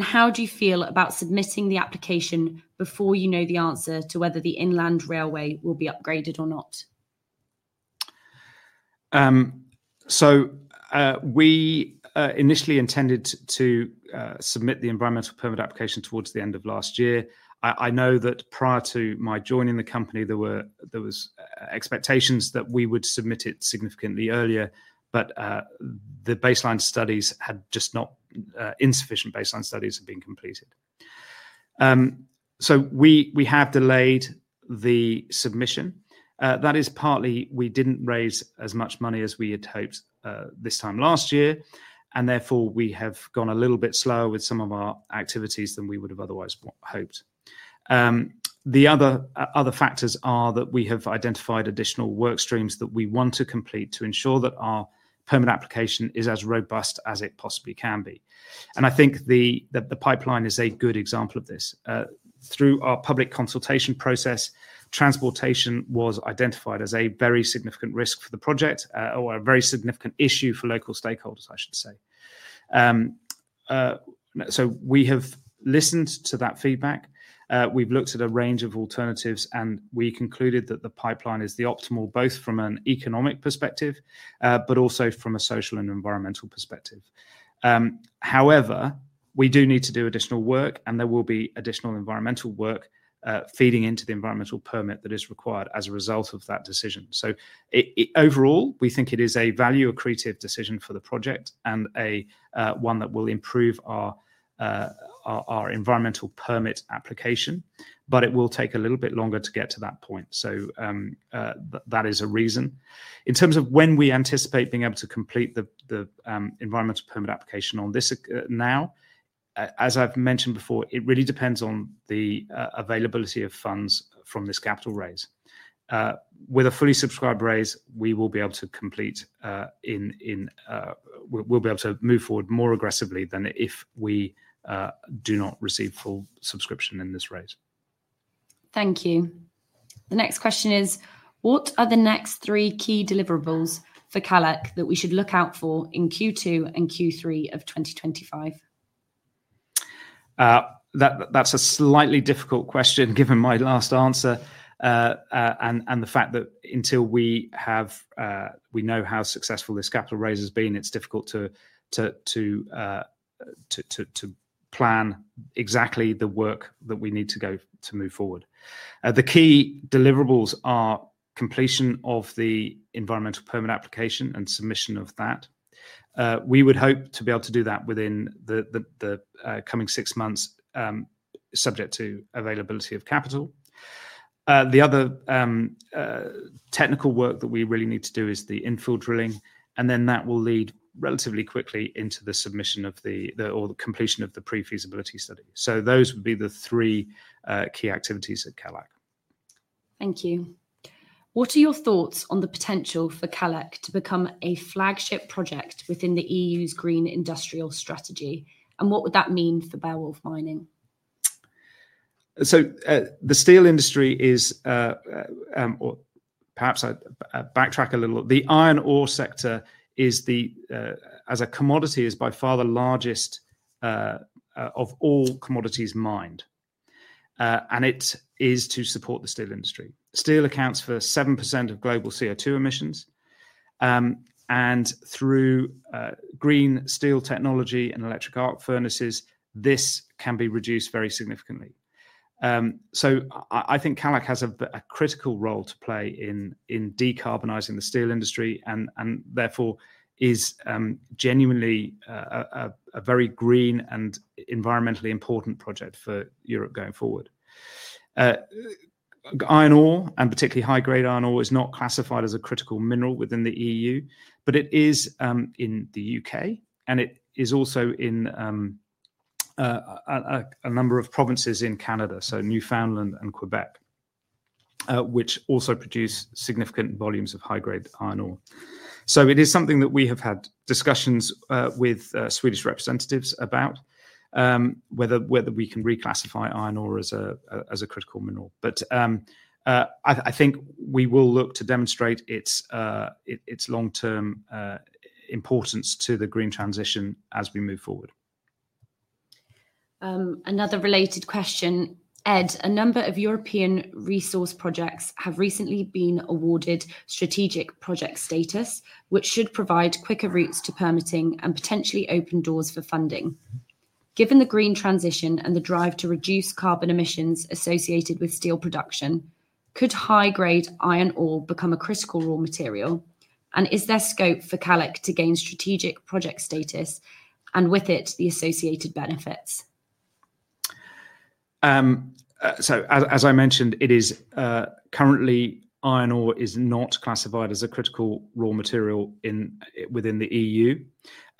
How do you feel about submitting the application before you know the answer to whether the inland railway will be upgraded or not? We initially intended to submit the Environmental Permit Application towards the end of last year. I know that prior to my joining the company, there were expectations that we would submit it significantly earlier, but insufficient baseline studies had been completed. We have delayed the submission. That is partly we did not raise as much money as we had hoped this time last year, and therefore we have gone a little bit slower with some of our activities than we would have otherwise hoped. The other factors are that we have identified additional work streams that we want to complete to ensure that our permit application is as robust as it possibly can be. I think the pipeline is a good example of this. Through our public consultation process, transportation was identified as a very significant risk for the project or a very significant issue for local stakeholders, I should say. We have listened to that feedback. We have looked at a range of alternatives, and we concluded that the pipeline is the optimal both from an economic perspective but also from a social and environmental perspective. However, we do need to do additional work, and there will be additional environmental work feeding into the environmental permit that is required as a result of that decision. Overall, we think it is a value-accretive decision for the project and one that will improve our Environmental Permit Application, but it will take a little bit longer to get to that point. That is a reason. In terms of when we anticipate being able to complete the Environmental Permit Application on this now, as I've mentioned before, it really depends on the availability of funds from this capital raise. With a fully subscribed raise, we will be able to complete and we'll be able to move forward more aggressively than if we do not receive full subscription in this raise. Thank you. The next question is, what are the next three key deliverables for Kallak that we should look out for in Q2 and Q3 of 2025? That's a slightly difficult question given my last answer and the fact that until we know how successful this capital raise has been, it's difficult to plan exactly the work that we need to go to move forward. The key deliverables are completion of the Environmental Permit Application and submission of that. We would hope to be able to do that within the coming six months, subject to availability of capital. The other technical work that we really need to do is the infill drilling, and then that will lead relatively quickly into the submission of the or the completion of the pre-feasibility study. Those would be the three key activities at Kallak. Thank you. What are your thoughts on the potential for Kallak to become a flagship project within the EU's green industrial strategy, and what would that mean for Beowulf Mining? The steel industry is, or perhaps I backtrack a little, the iron ore sector as a commodity is by far the largest of all commodities mined, and it is to support the steel industry. Steel accounts for 7% of global CO2 emissions, and through green steel technology and electric arc furnaces, this can be reduced very significantly. I think Kallak has a critical role to play in decarbonizing the steel industry and therefore is genuinely a very green and environmentally important project for Europe going forward. Iron ore, and particularly high-grade iron ore, is not classified as a critical mineral within the EU, but it is in the U.K., and it is also in a number of provinces in Canada, so Newfoundland and Quebec, which also produce significant volumes of high-grade iron ore. It is something that we have had discussions with Swedish representatives about, whether we can reclassify iron ore as a critical mineral. I think we will look to demonstrate its long-term importance to the green transition as we move forward. Another related question, Ed. A number of European resource projects have recently been awarded strategic project status, which should provide quicker routes to permitting and potentially open doors for funding. Given the green transition and the drive to reduce carbon emissions associated with steel production, could high-grade iron ore become a critical raw material? Is there scope for Kallak to gain strategic project status and with it the associated benefits? As I mentioned, currently, iron ore is not classified as a critical raw material within the EU.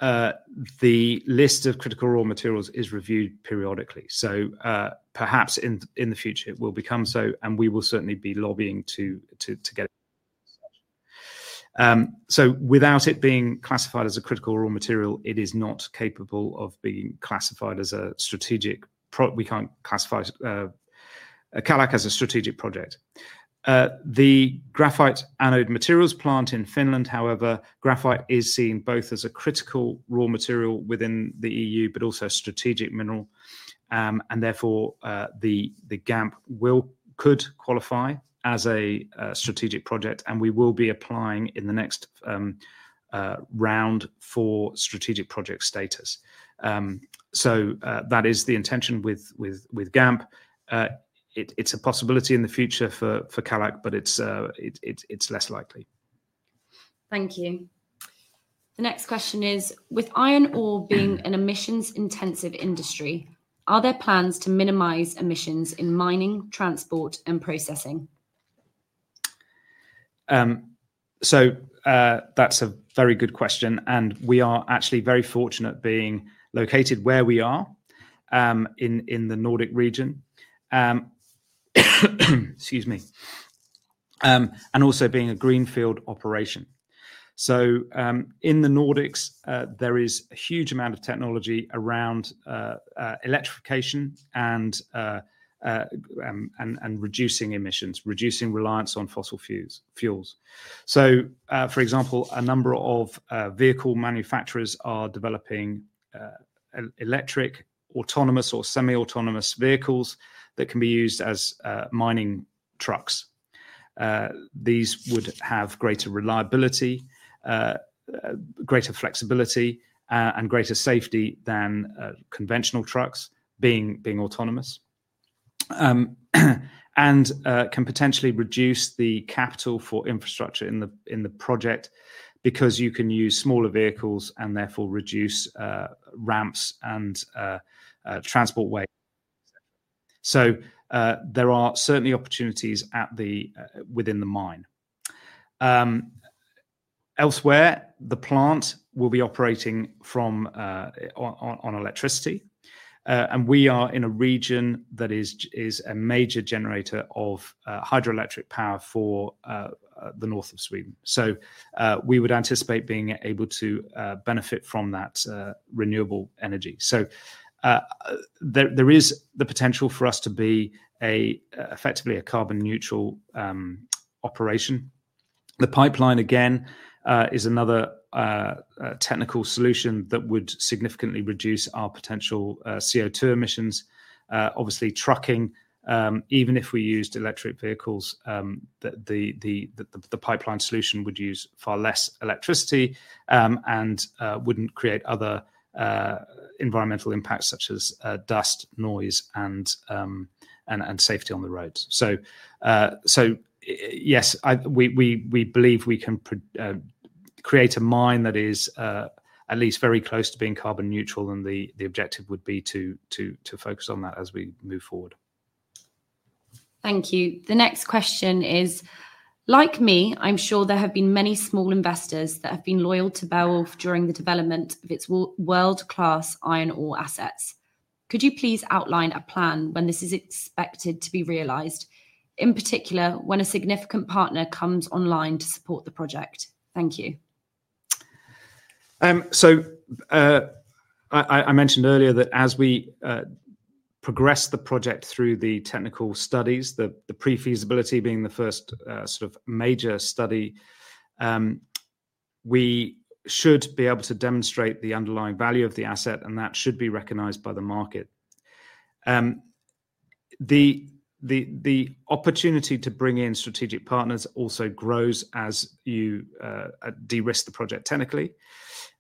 The list of critical raw materials is reviewed periodically. Perhaps in the future, it will become so, and we will certainly be lobbying to get it. Without it being classified as a critical raw material, it is not capable of being classified as strategic. We cannot classify Kallak as a strategic project. The graphite anode materials plant in Finland, however, graphite is seen both as a critical raw material within the EU, but also a strategic mineral. Therefore, the GAMP could qualify as a strategic project, and we will be applying in the next round for strategic project status. That is the intention with GAMP. It's a possibility in the future for Kallak, but it's less likely. Thank you. The next question is, with iron ore being an emissions-intensive industry, are there plans to minimize emissions in mining, transport, and processing? That's a very good question, and we are actually very fortunate being located where we are in the Nordic region. Excuse me. Also being a greenfield operation. In the Nordics, there is a huge amount of technology around electrification and reducing emissions, reducing reliance on fossil fuels. For example, a number of vehicle manufacturers are developing electric autonomous or semi-autonomous vehicles that can be used as mining trucks. These would have greater reliability, greater flexibility, and greater safety than conventional trucks being autonomous and can potentially reduce the capital for infrastructure in the project because you can use smaller vehicles and therefore reduce ramps and transport ways. There are certainly opportunities within the mine. Elsewhere, the plant will be operating on electricity, and we are in a region that is a major generator of hydroelectric power for the north of Sweden. We would anticipate being able to benefit from that renewable energy. There is the potential for us to be effectively a carbon-neutral operation. The pipeline, again, is another technical solution that would significantly reduce our potential CO2 emissions. Obviously, trucking, even if we used electric vehicles, the pipeline solution would use far less electricity and would not create other environmental impacts such as dust, noise, and safety on the roads. Yes, we believe we can create a mine that is at least very close to being carbon neutral, and the objective would be to focus on that as we move forward. Thank you. The next question is, like me, I'm sure there have been many small investors that have been loyal to Beowulf during the development of its world-class iron ore assets. Could you please outline a plan when this is expected to be realised, in particular when a significant partner comes online to support the project? Thank you. I mentioned earlier that as we progress the project through the technical studies, the pre-feasibility being the first sort of major study, we should be able to demonstrate the underlying value of the asset, and that should be recognised by the market. The opportunity to bring in strategic partners also grows as you de-risk the project technically.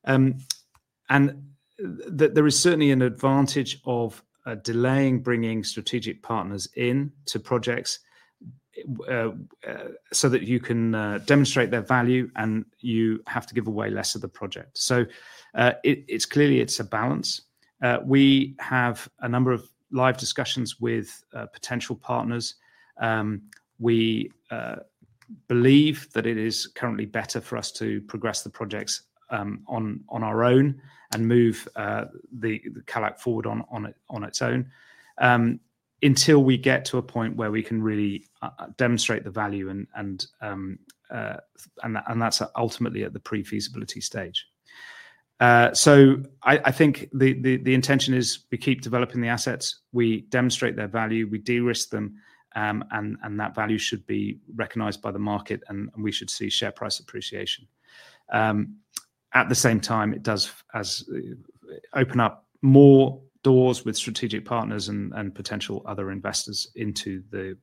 There is certainly an advantage of delaying bringing strategic partners into projects so that you can demonstrate their value, and you have to give away less of the project. It is clearly a balance. We have a number of live discussions with potential partners. We believe that it is currently better for us to progress the projects on our own and move the Kallak forward on its own until we get to a point where we can really demonstrate the value, and that's ultimately at the pre-feasibility stage. I think the intention is we keep developing the assets, we demonstrate their value, we de-risk them, and that value should be recognized by the market, and we should see share price appreciation. At the same time, it does open up more doors with strategic partners and potential other investors into the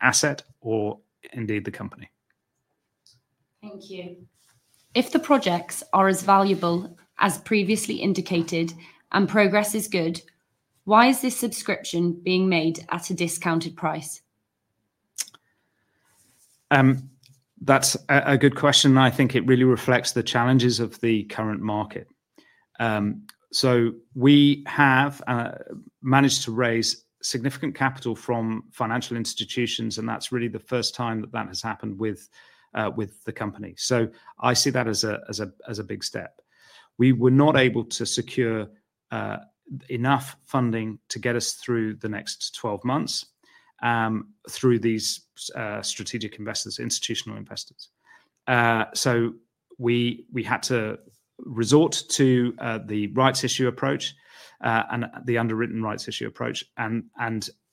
asset or indeed the company. Thank you. If the projects are as valuable as previously indicated and progress is good, why is this subscription being made at a discounted price? That's a good question, and I think it really reflects the challenges of the current market. We have managed to raise significant capital from financial institutions, and that's really the first time that that has happened with the company. I see that as a big step. We were not able to secure enough funding to get us through the next 12 months through these strategic investors, institutional investors. We had to resort to the rights issue approach and the underwritten rights issue approach, and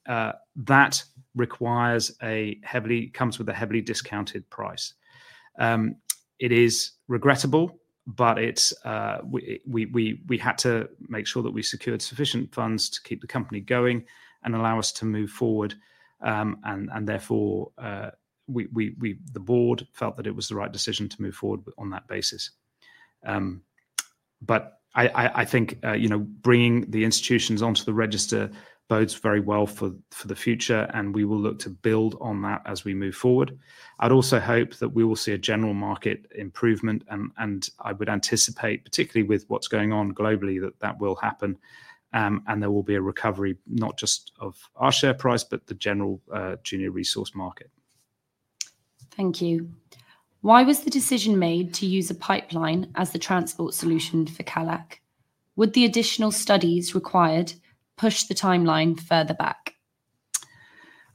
that comes with a heavily discounted price. It is regrettable, but we had to make sure that we secured sufficient funds to keep the company going and allow us to move forward, and therefore, the board felt that it was the right decision to move forward on that basis. I think bringing the institutions onto the register bodes very well for the future, and we will look to build on that as we move forward. I'd also hope that we will see a general market improvement, and I would anticipate, particularly with what's going on globally, that that will happen, and there will be a recovery not just of our share price, but the general junior resource market. Thank you. Why was the decision made to use a pipeline as the transport solution for Kallak? Would the additional studies required push the timeline further back?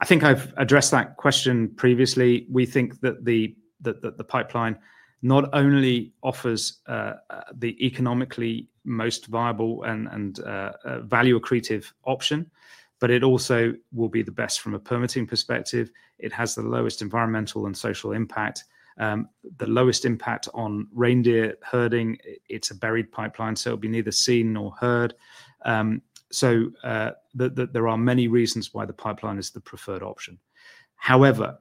I think I've addressed that question previously. We think that the pipeline not only offers the economically most viable and value-accretive option, but it also will be the best from a permitting perspective. It has the lowest environmental and social impact, the lowest impact on reindeer herding. It's a buried pipeline, so it'll be neither seen nor heard. There are many reasons why the pipeline is the preferred option. However,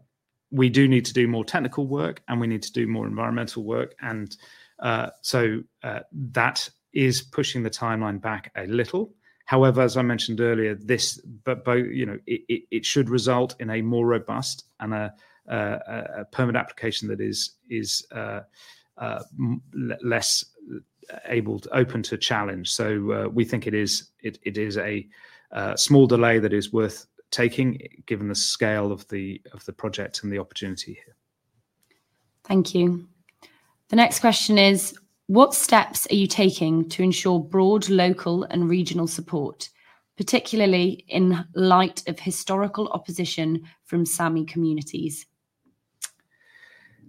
we do need to do more technical work, and we need to do more environmental work. That is pushing the timeline back a little. However, as I mentioned earlier, it should result in a more robust and a permanent application that is less able to open to challenge. We think it is a small delay that is worth taking given the scale of the project and the opportunity here. Thank you. The next question is, what steps are you taking to ensure broad local and regional support, particularly in light of historical opposition from Sámi communities?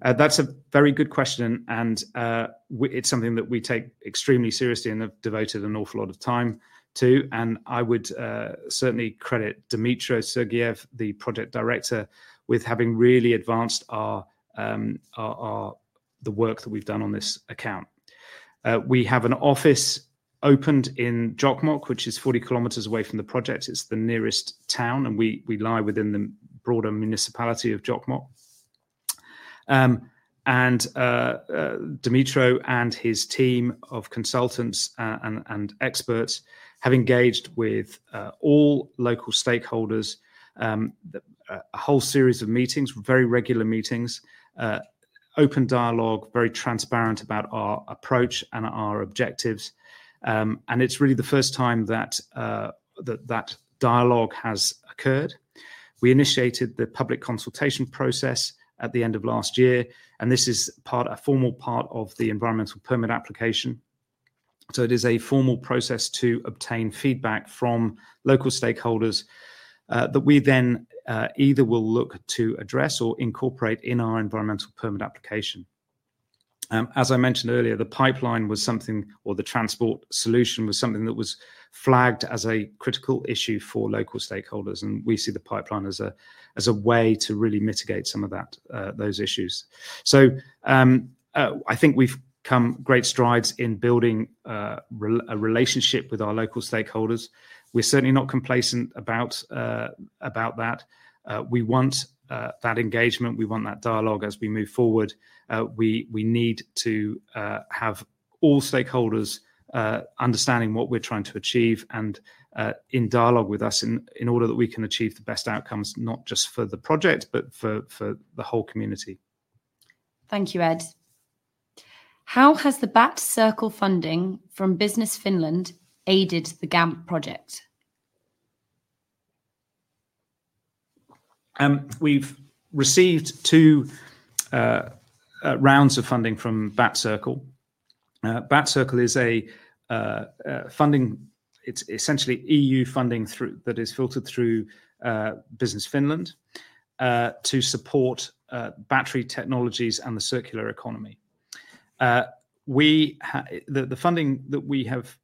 That's a very good question, and it's something that we take extremely seriously and have devoted an awful lot of time to. I would certainly credit Dmytro Sergeyev, the project director, with having really advanced the work that we've done on this account. We have an office opened in Jokkmokk, which is 40 km away from the project. It's the nearest town, and we lie within the broader municipality of Jokkmokk. Dmytro and his team of consultants and experts have engaged with all local stakeholders, a whole series of meetings, very regular meetings, open dialogue, very transparent about our approach and our objectives. It's really the first time that dialogue has occurred. We initiated the public consultation process at the end of last year, and this is a formal part of the Environmental Permit Application. It is a formal process to obtain feedback from local stakeholders that we then either will look to address or incorporate in our Environmental Permit Application. As I mentioned earlier, the pipeline was something, or the transport solution was something that was flagged as a critical issue for local stakeholders, and we see the pipeline as a way to really mitigate some of those issues. I think we've come great strides in building a relationship with our local stakeholders. We're certainly not complacent about that. We want that engagement. We want that dialogue as we move forward. We need to have all stakeholders understanding what we're trying to achieve and in dialogue with us in order that we can achieve the best outcomes, not just for the project, but for the whole community. Thank you, Ed. How has the BAT Circle funding from Business Finland aided the GAMP project? We've received two rounds of funding from BAT Circle. BAT Circle is a funding, it's essentially EU funding that is filtered through Business Finland to support battery technologies and the circular economy. The funding that we have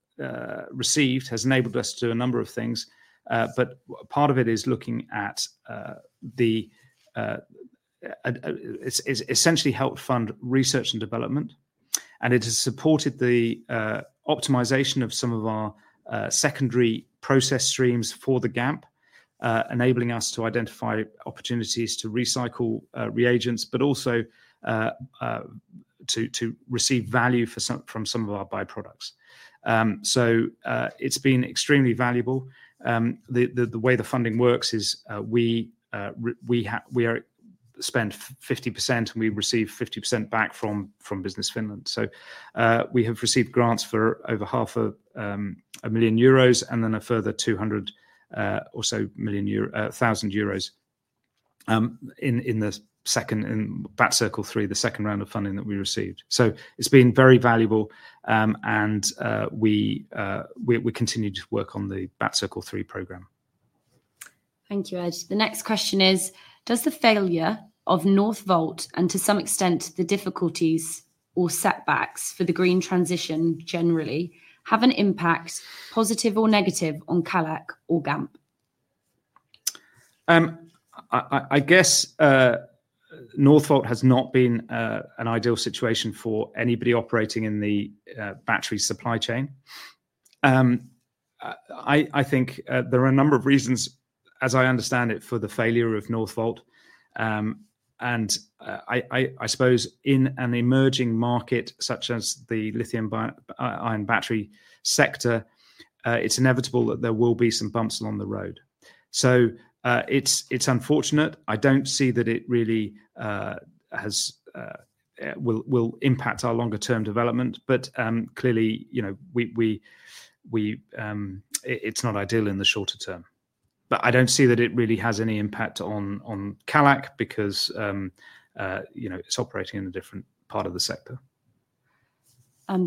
received has enabled us to do a number of things, but part of it is looking at the essentially helped fund research and development, and it has supported the optimisation of some of our secondary process streams for the GAMP, enabling us to identify opportunities to recycle reagents, but also to receive value from some of our byproducts. It has been extremely valuable. The way the funding works is we spend 50%, and we receive 50% back from Business Finland. We have received grants for over 500,000 euros and then a further 200,000 or so in the second BAT Circle 3, the second round of funding that we received. It has been very valuable, and we continue to work on the BAT Circle 3 programme. Thank you, Ed. The next question is, does the failure of Northvolt and to some extent the difficulties or setbacks for the green transition generally have an impact, positive or negative, on Kallak or GAMP? I guess Northvolt has not been an ideal situation for anybody operating in the battery supply chain. I think there are a number of reasons, as I understand it, for the failure of Northvolt. I suppose in an emerging market such as the lithium-ion battery sector, it is inevitable that there will be some bumps along the road. It is unfortunate. I do not see that it really will impact our longer-term development, but clearly, it is not ideal in the shorter term. I don't see that it really has any impact on Kallak because it's operating in a different part of the sector.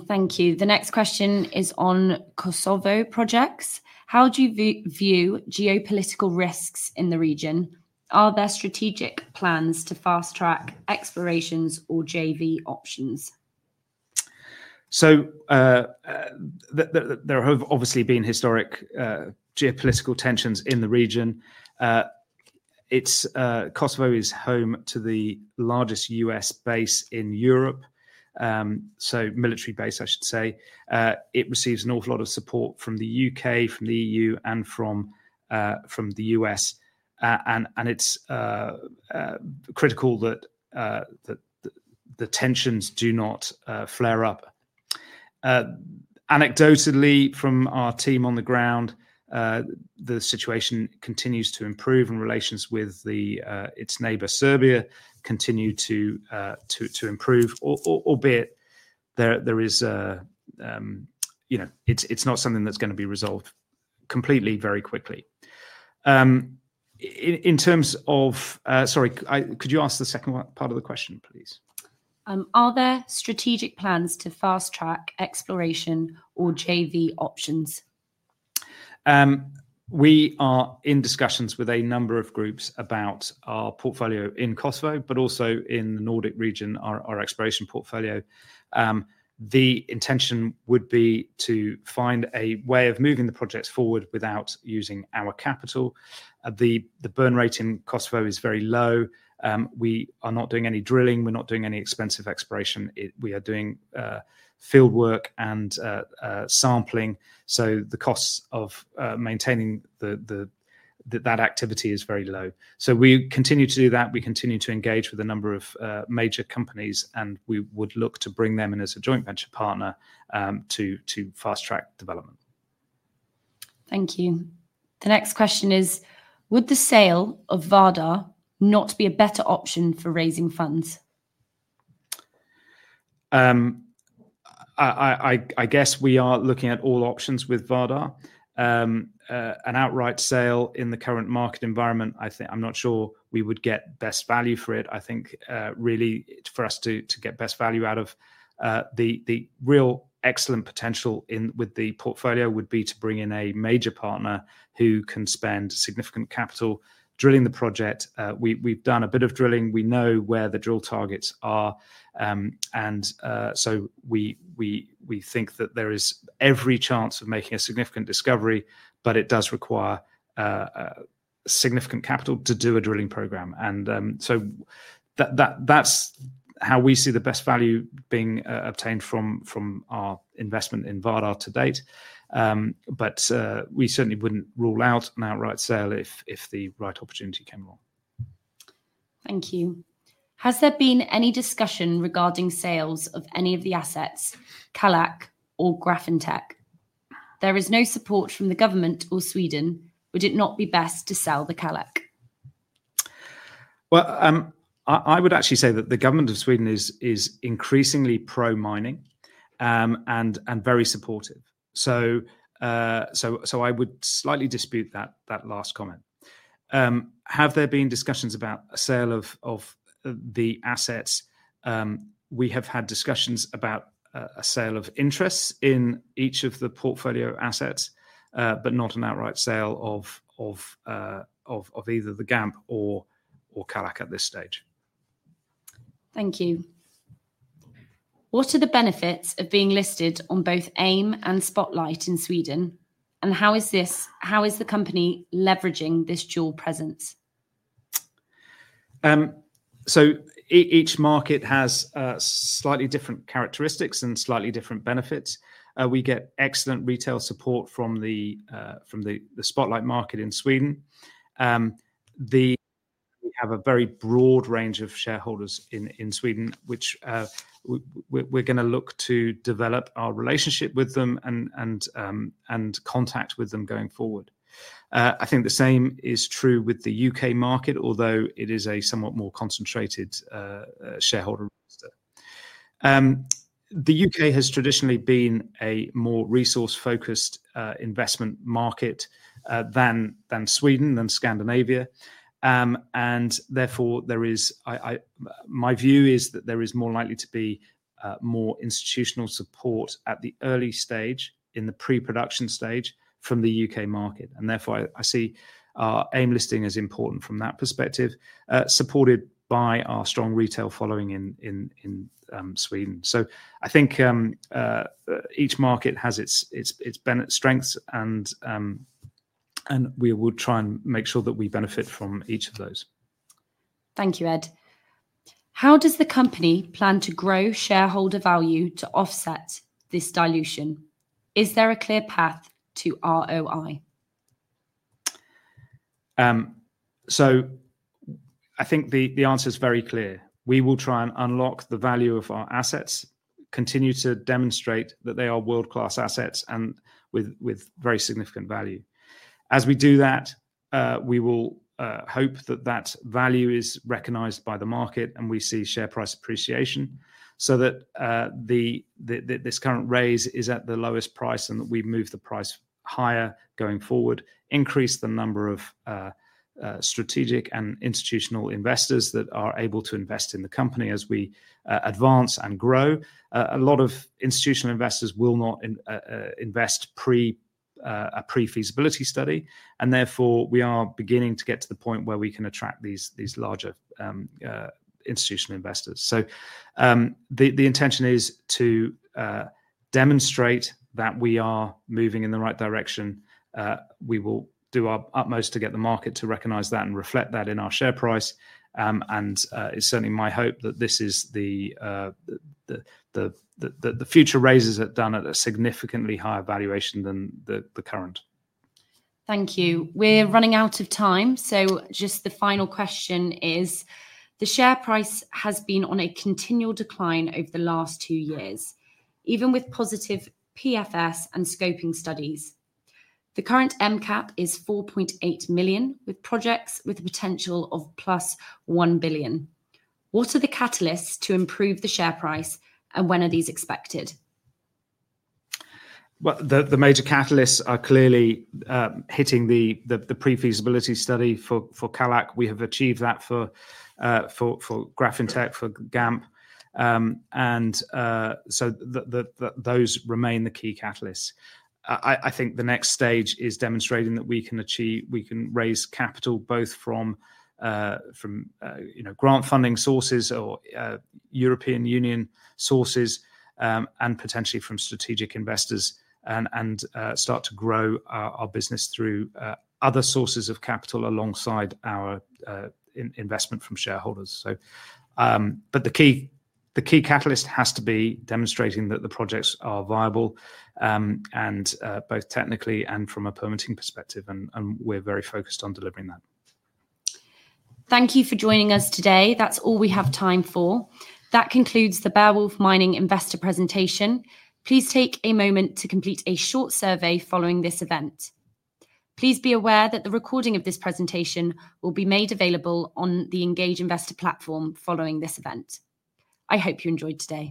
Thank you. The next question is on Kosovo projects. How do you view geopolitical risks in the region? Are there strategic plans to fast-track explorations or JV options? There have obviously been historic geopolitical tensions in the region. Kosovo is home to the largest U.S. base in Europe, so military base, I should say. It receives an awful lot of support from the U.K., from the EU, and from the U.S. It is critical that the tensions do not flare up. Anecdotally, from our team on the ground, the situation continues to improve in relations with its neighbor, Serbia, continue to improve, albeit it is not something that's going to be resolved completely very quickly. In terms of sorry, could you ask the second part of the question, please? Are there strategic plans to fast-track exploration or JV options? We are in discussions with a number of groups about our portfolio in Kosovo, but also in the Nordic region, our exploration portfolio. The intention would be to find a way of moving the projects forward without using our capital. The burn rate in Kosovo is very low. We are not doing any drilling. We're not doing any expensive exploration. We are doing fieldwork and sampling. The costs of maintaining that activity is very low. We continue to do that. We continue to engage with a number of major companies, and we would look to bring them in as a joint venture partner to fast-track development. Thank you. The next question is, would the sale of Vardar not be a better option for raising funds? I guess we are looking at all options with Vardar. An outright sale in the current market environment, I think I'm not sure we would get best value for it. I think really for us to get best value out of the real excellent potential with the portfolio would be to bring in a major partner who can spend significant capital drilling the project. We've done a bit of drilling. We know where the drill targets are. We think that there is every chance of making a significant discovery, but it does require significant capital to do a drilling programme. That is how we see the best value being obtained from our investment in Vardar to date. But we certainly would not rule out an outright sale if the right opportunity came along. Thank you. Has there been any discussion regarding sales of any of the assets, Kallak or Grafintec? There is no support from the government or Sweden. Would it not be best to sell the Kallak? I would actually say that the government of Sweden is increasingly pro-mining and very supportive. I would slightly dispute that last comment. Have there been discussions about a sale of the assets? We have had discussions about a sale of interests in each of the portfolio assets, but not an outright sale of either the GAMP or Kallak at this stage. Thank you. What are the benefits of being listed on both AIM and Spotlight in Sweden? How is the company leveraging this dual presence? Each market has slightly different characteristics and slightly different benefits. We get excellent retail support from the Spotlight market in Sweden. We have a very broad range of shareholders in Sweden, which we're going to look to develop our relationship with them and contact with them going forward. I think the same is true with the U.K. market, although it is a somewhat more concentrated shareholder register. The U.K. has traditionally been a more resource-focused investment market than Sweden, than Scandinavia. Therefore, my view is that there is more likely to be more institutional support at the early stage, in the pre-production stage, from the U.K. market. Therefore, I see AIM listing as important from that perspective, supported by our strong retail following in Sweden. I think each market has its strengths, and we will try and make sure that we benefit from each of those. Thank you, Ed. How does the company plan to grow shareholder value to offset this dilution? Is there a clear path to ROI? I think the answer is very clear. We will try and unlock the value of our assets, continue to demonstrate that they are world-class assets and with very significant value. As we do that, we will hope that that value is recognized by the market and we see share price appreciation so that this current raise is at the lowest price and that we move the price higher going forward, increase the number of strategic and institutional investors that are able to invest in the company as we advance and grow. A lot of institutional investors will not invest at pre-feasibility study, and therefore we are beginning to get to the point where we can attract these larger institutional investors. The intention is to demonstrate that we are moving in the right direction. We will do our utmost to get the market to recognize that and reflect that in our share price. It is certainly my hope that the future raises are done at a significantly higher valuation than the current. Thank you. We are running out of time. Just the final question is, the share price has been on a continual decline over the last two years, even with positive PFS and Scoping studies. The current MCAP is 4.8 million, with projects with the potential of plus 1 billion. What are the catalysts to improve the share price, and when are these expected? The major catalysts are clearly hitting the pre-feasibility study for Kallak. We have achieved that for Grafintec, for GAMP. Those remain the key catalysts. I think the next stage is demonstrating that we can raise capital both from grant funding sources or European Union sources and potentially from strategic investors and start to grow our business through other sources of capital alongside our investment from shareholders. The key catalyst has to be demonstrating that the projects are viable both technically and from a permitting perspective, and we're very focused on delivering that. Thank you for joining us today. That's all we have time for. That concludes the Beowulf Mining Investor presentation. Please take a moment to complete a short survey following this event. Please be aware that the recording of this presentation will be made available on the Engage Investor platform following this event. I hope you enjoyed today.